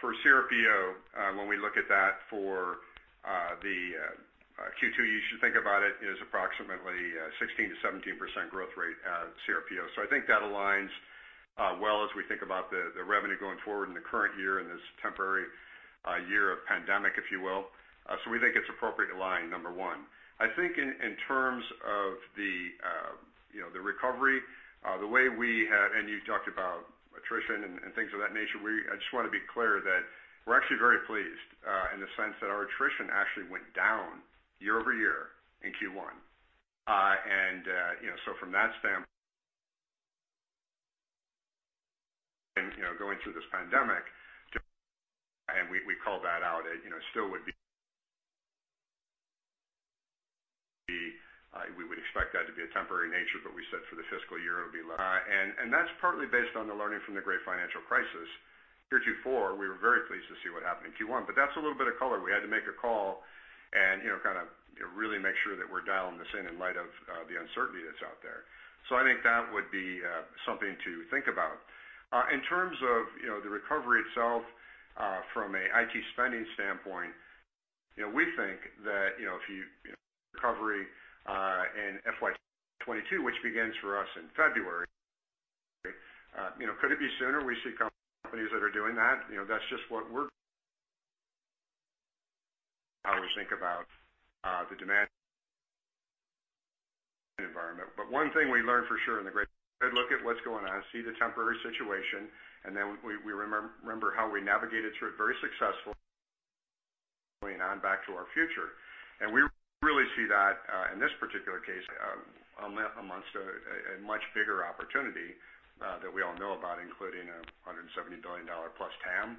For CRPO, when we look at that for the Q2, you should think about it is approximately 16%-17% growth rate at CRPO. I think that aligns well as we think about the revenue going forward in the current year, in this temporary year of pandemic, if you will. We think it's appropriately aligned, number one. I think in terms of the recovery, and you talked about attrition and things of that nature, I just want to be clear that we're actually very pleased in the sense that our attrition actually went down year-over-year in Q1. From that standpoint, going through this pandemic, and we call that out, it still would be. We would expect that to be a temporary nature, but we said for the fiscal year it would be. That's partly based on the learning from the great financial crisis. Q4, we were very pleased to see what happened in Q1, but that's a little bit of color. We had to make a call, and kind of really make sure that we're dialing this in light of the uncertainty that's out there. I think that would be something to think about. In terms of the recovery itself, from an IT spending standpoint, we think that recovery in FY 2022, which begins for us in February. Could it be sooner? We see companies that are doing that. That's just how we think about the demand environment. One thing we learned for sure. Look at what's going on, see the temporary situation, and then we remember how we navigated through it very successfully going on back to our future. We really see that in this particular case, amongst a much bigger opportunity that we all know about, including a $170 billion plus TAM.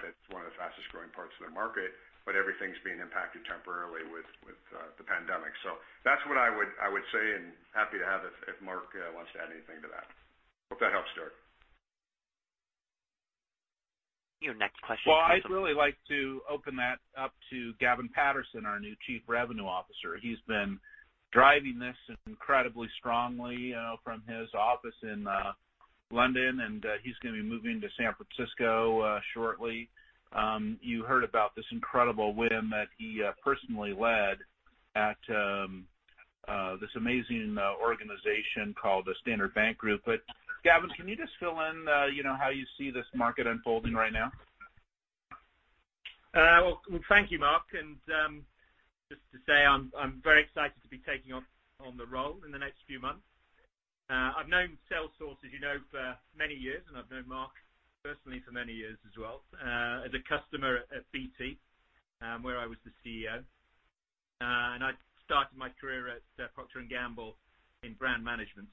That's one of the fastest-growing parts of the market, but everything's being impacted temporarily with the Pandemic. That's what I would say, and happy to have if Marc wants to add anything to that. Hope that helps, Derrick. Your next question comes from. I'd really like to open that up to Gavin Patterson, our new Chief Revenue Officer. He's been driving this incredibly strongly from his office in London, and he's going to be moving to San Francisco shortly. You heard about this incredible win that he personally led at this amazing organization called the Standard Bank Group. Gavin, can you just fill in how you see this market unfolding right now? Well, thank you, Marc, just to say, I'm very excited to be taking on the role in the next few months. I've known Salesforce, as you know, for many years, and I've known Marc personally for many years as well, as a customer at BT, where I was the CEO. I started my career at Procter & Gamble in brand management.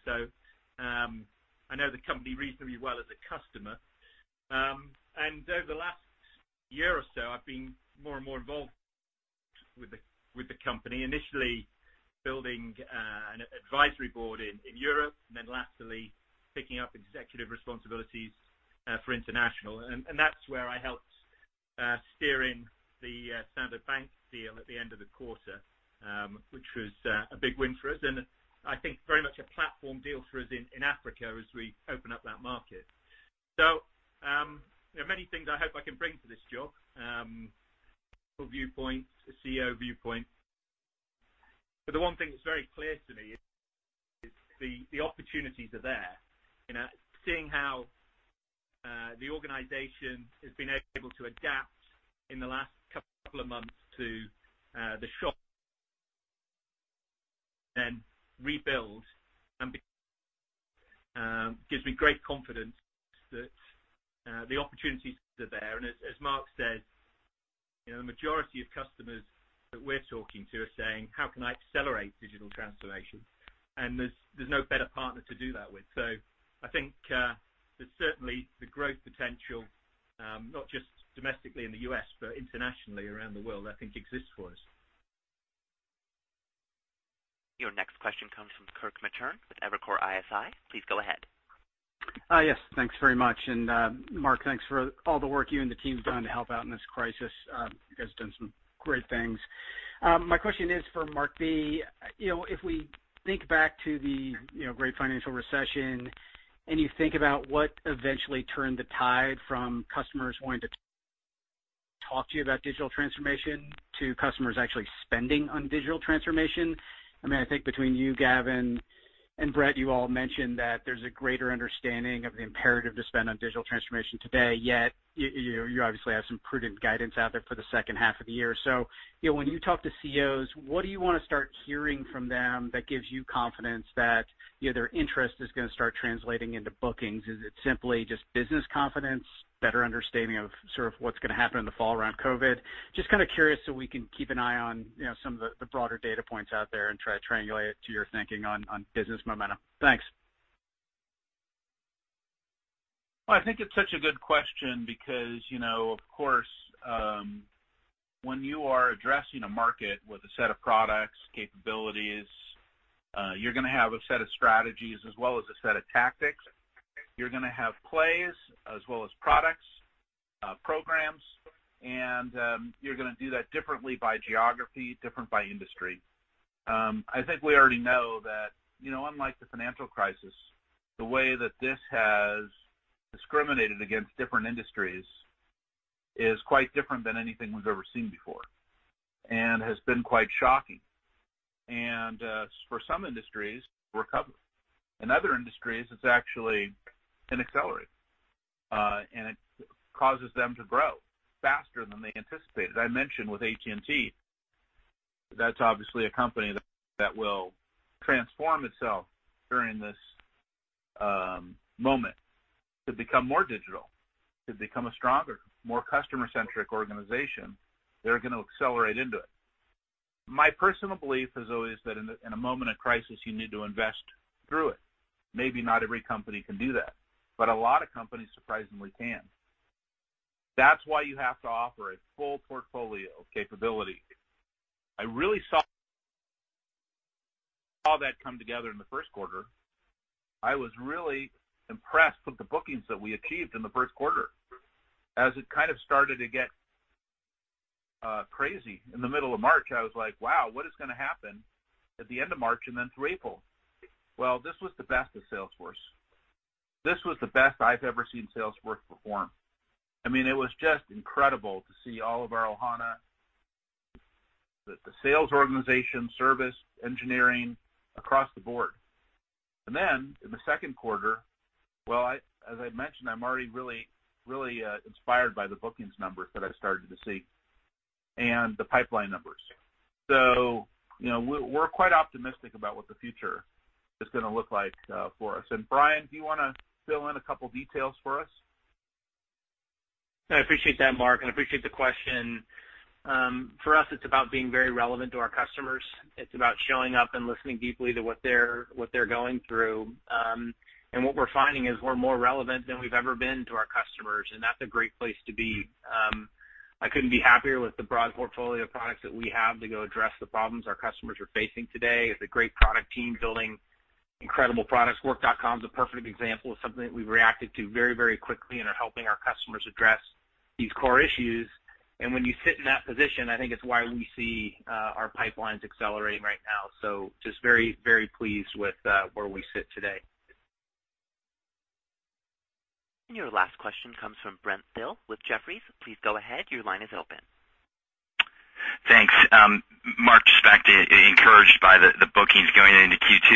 I know the company reasonably well as a customer. Over the last year or so, I've been more and more involved with the company, initially building an advisory board in Europe, and then latterly picking up executive responsibilities for international. That's where I helped steering the Standard Bank deal at the end of the quarter, which was a big win for us. I think very much a platform deal for us in Africa as we open up that market. There are many things I hope I can bring to this job, from viewpoints, a CEO viewpoint. The one thing that's very clear to me is the opportunities are there. Seeing how the organization has been able to adapt in the last couple of months to the shock and rebuild gives me great confidence that the opportunities are there. As Marc said, the majority of customers that we're talking to are saying, "How can I accelerate digital transformation?" There's no better partner to do that with. I think there's certainly the growth potential, not just domestically in the U.S., but internationally around the world, I think exists for us. Your next question comes from Kirk Materne with Evercore ISI. Please go ahead. Yes, thanks very much. Marc, thanks for all the work you and the team's done to help out in this crisis. You guys have done some great things. My question is for Marc B. If we think back to the great financial recession, and you think about what eventually turned the tide from customers wanting to talk to you about digital transformation to customers actually spending on digital transformation. I think between you, Gavin, and Bret, you all mentioned that there's a greater understanding of the imperative to spend on digital transformation today, yet you obviously have some prudent guidance out there for the second half of the year. When you talk to CEOs, what do you want to start hearing from them that gives you confidence that their interest is going to start translating into bookings? Is it simply just business confidence, better understanding of sort of what's going to happen in the fall around COVID? Kind of curious so we can keep an eye on some of the broader data points out there and try to triangulate to your thinking on business momentum. Thanks. Well, I think it's such a good question because, of course, when you are addressing a market with a set of products, capabilities, you're going to have a set of strategies as well as a set of tactics. You're going to have plays as well as products, programs, and you're going to do that differently by geography, different by industry. I think we already know that, unlike the financial crisis, the way that this has discriminated against different industries is quite different than anything we've ever seen before, and has been quite shocking. For some industries, recovery. In other industries, it's actually an accelerator, and it causes them to grow faster than they anticipated. I mentioned with AT&T, that's obviously a company that will transform itself during this moment to become more digital, to become a stronger, more customer-centric organization. They're going to accelerate into it. My personal belief is always that in a moment of crisis, you need to invest through it. Maybe not every company can do that, but a lot of companies surprisingly can. That's why you have to offer a full portfolio of capabilities. I really saw all that come together in the first quarter. I was really impressed with the bookings that we achieved in the first quarter. As it kind of started to get crazy in the middle of March, I was like, "Wow, what is going to happen at the end of March and then through April?" Well, this was the best of Salesforce. This was the best I've ever seen Salesforce perform. It was just incredible to see all of our Ohana, the sales organization, service, engineering, across the board. In the second quarter, well, as I mentioned, I'm already really inspired by the bookings numbers that I started to see and the pipeline numbers. We're quite optimistic about what the future is going to look like for us. Brian, do you want to fill in a couple details for us? I appreciate that, Marc, and appreciate the question. For us, it's about being very relevant to our customers. It's about showing up and listening deeply to what they're going through. What we're finding is we're more relevant than we've ever been to our customers, and that's a great place to be. I couldn't be happier with the broad portfolio of products that we have to go address the problems our customers are facing today. It's a great product team building incredible products. Work.com is a perfect example of something that we've reacted to very quickly, and are helping our customers address these core issues. When you sit in that position, I think it's why we see our pipelines accelerating right now. Just very pleased with where we sit today. Your last question comes from Brent Thill with Jefferies. Please go ahead. Your line is open. Thanks. Marc, just encouraged by the bookings going into Q2.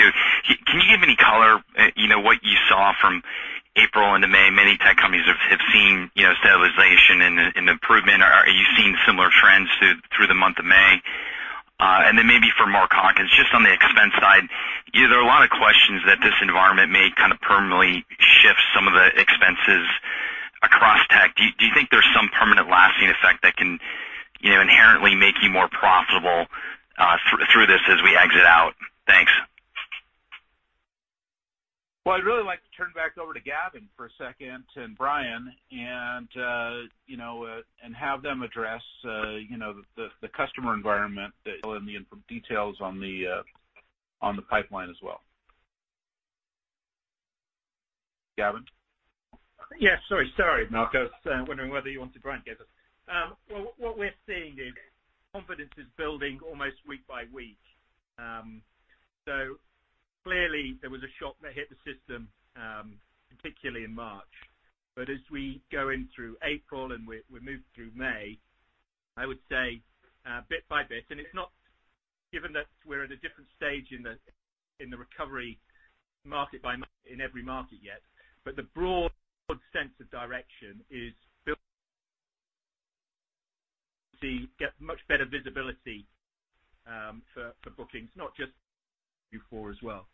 Can you give any color, what you saw from April into May? Many tech companies have seen stabilization and improvement. Are you seeing similar trends through the month of May? Maybe for Mark Hawkins, just on the expense side, there are a lot of questions that this environment may kind of permanently shift some of the expenses across tech. Do you think there's some permanent lasting effect that can inherently make you more profitable through this as we exit out? Thanks. Well, I'd really like to turn it back over to Gavin for a second, and Brian, and have them address the customer environment that fill in the details on the pipeline as well. Gavin? Yeah. Sorry, Marc. I was wondering whether you wanted Brian to get this. What we're seeing is confidence is building almost week by week. Clearly, there was a shock that hit the system, particularly in March. As we go in through April, and we move through May, I would say bit by bit, and it's not given that we're at a different stage in the recovery market by month in every market yet. The broad sense of direction is building, get much better visibility for bookings, not just Q4 as well.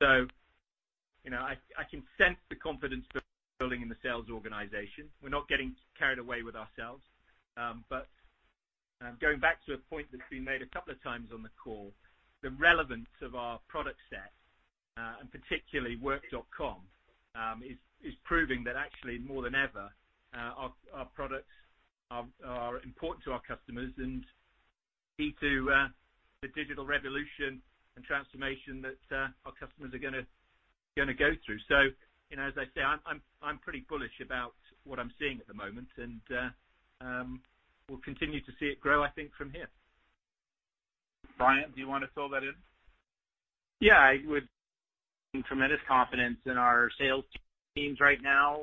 I can sense the confidence that's building in the sales organization. We're not getting carried away with ourselves. Going back to a point that's been made a couple of times on the call, the relevance of our product set, and particularly Work.com is proving that actually more than ever, our products are important to our customers and key to the digital revolution and transformation that our customers are going to go through. As I say, I'm pretty bullish about what I'm seeing at the moment, and we'll continue to see it grow, I think, from here. Brian, do you want to fill that in? Yeah, I would. Tremendous confidence in our sales teams right now.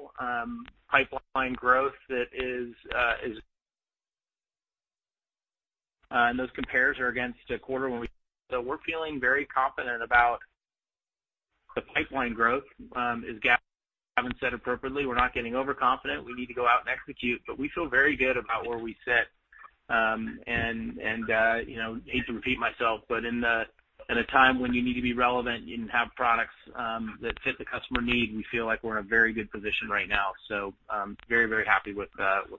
We're feeling very confident about the pipeline growth. As Gavin said appropriately, we're not getting overconfident. We need to go out and execute. We feel very good about where we sit. I hate to repeat myself, but in a time when you need to be relevant and have products that fit the customer need, we feel like we're in a very good position right now. Very happy with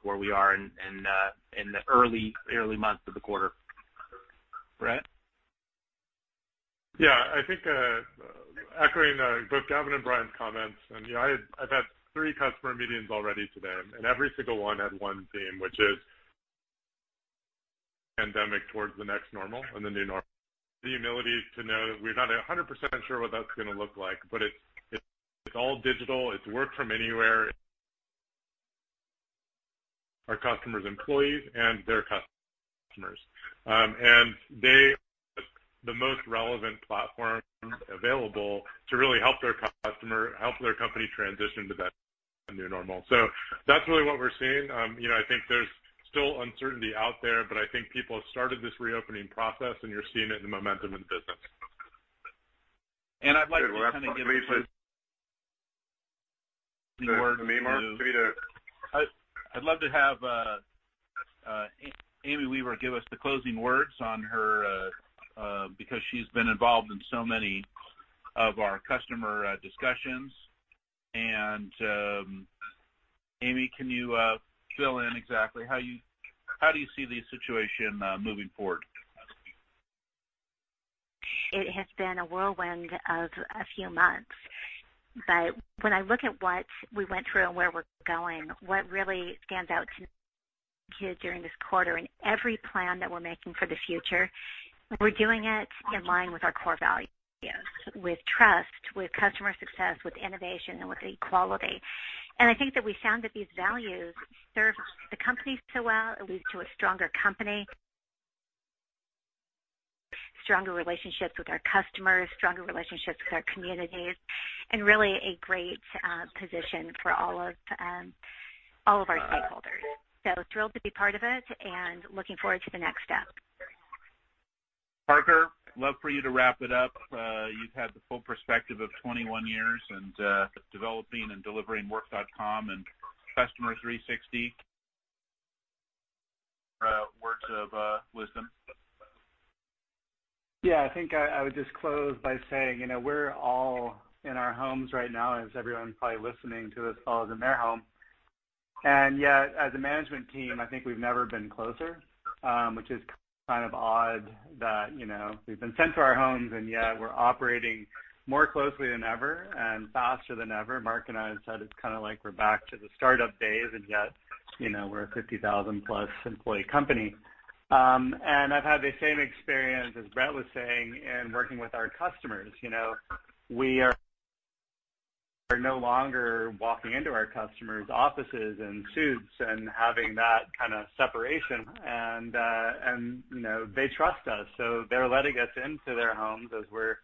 where we are in the early months of the quarter. Bret? Yeah, I think echoing both Gavin and Brian's comments, I've had three customer meetings already today, and every single one had one theme, which is pandemic towards the next normal and the new normal. The humility to know that we're not 100% sure what that's going to look like, but it's all digital. It's work from anywhere. Our customers' employees and their customers. They are the most relevant platforms available to really help their company transition to that new normal. That's really what we're seeing. I think there's still uncertainty out there, but I think people have started this reopening process, and you're seeing it in the momentum in the business. I'd love to have Amy Weaver give us the closing words on her, because she's been involved in so many of our customer discussions. Amy, can you fill in exactly how do you see the situation moving forward? It has been a whirlwind of a few months. When I look at what we went through and where we're going, what really stands out to me during this quarter, and every plan that we're making for the future, we're doing it in line with our core values, with Trust, with Customer Success, with Innovation, and with Equality. I think that we found that these values serve the company so well. It leads to a stronger company, stronger relationships with our customers, stronger relationships with our communities, and really a great position for all of our stakeholders. Thrilled to be part of it and looking forward to the next step. Parker, love for you to wrap it up. You've had the full perspective of 21 years and developing and delivering Work.com and Customer 360. Words of wisdom. Yeah, I think I would just close by saying, we're all in our homes right now, as everyone probably listening to us all is in their home. Yet, as a management team, I think we've never been closer, which is kind of odd that we've been sent to our homes, yet we're operating more closely than ever and faster than ever. Marc and I said it's kind of like we're back to the startup days, yet we're a 50,000+ employee company. I've had the same experience as Bret was saying in working with our customers. We are no longer walking into our customers' offices in suits and having that kind of separation. They trust us, so they're letting us into their homes as we're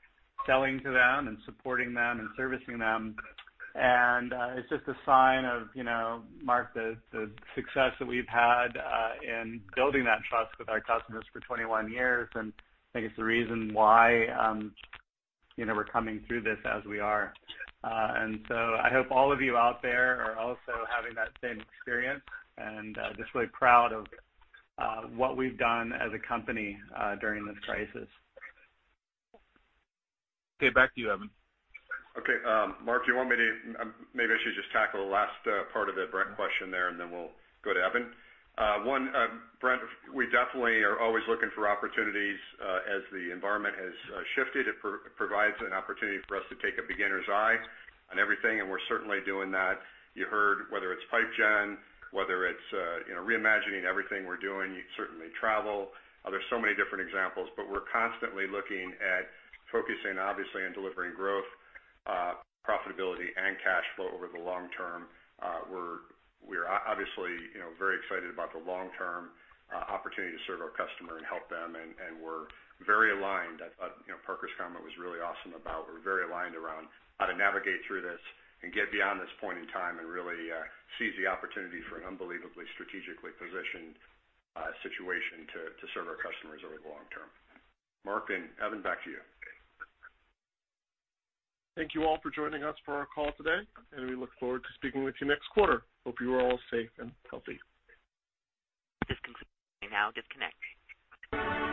selling to them and supporting them and servicing them. It's just a sign of, Marc, the success that we've had in building that trust with our customers for 21 years, and I think it's the reason why we're coming through this as we are. I hope all of you out there are also having that same experience. Just really proud of what we've done as a company during this crisis. Okay, back to you, Evan. Okay. Marc, do you want me to Maybe I should just tackle the last part of the Brent question there, and then we'll go to Evan. One, Brent, we definitely are always looking for opportunities. As the environment has shifted, it provides an opportunity for us to take a beginner's eye on everything, and we're certainly doing that. You heard, whether it's pipe gen, whether it's reimagining everything we're doing. Certainly travel. There's so many different examples. We're constantly looking at focusing, obviously, on delivering growth, profitability, and cash flow over the long term. We're obviously very excited about the long-term opportunity to serve our customer and help them, and we're very aligned. Parker's comment was really awesome about we're very aligned around how to navigate through this and get beyond this point in time and really seize the opportunity for an unbelievably strategically positioned situation to serve our customers over the long term. Marc and Evan, back to you. Thank you all for joining us for our call today, and we look forward to speaking with you next quarter. Hope you are all safe and healthy. This concludes your call. You may now disconnect.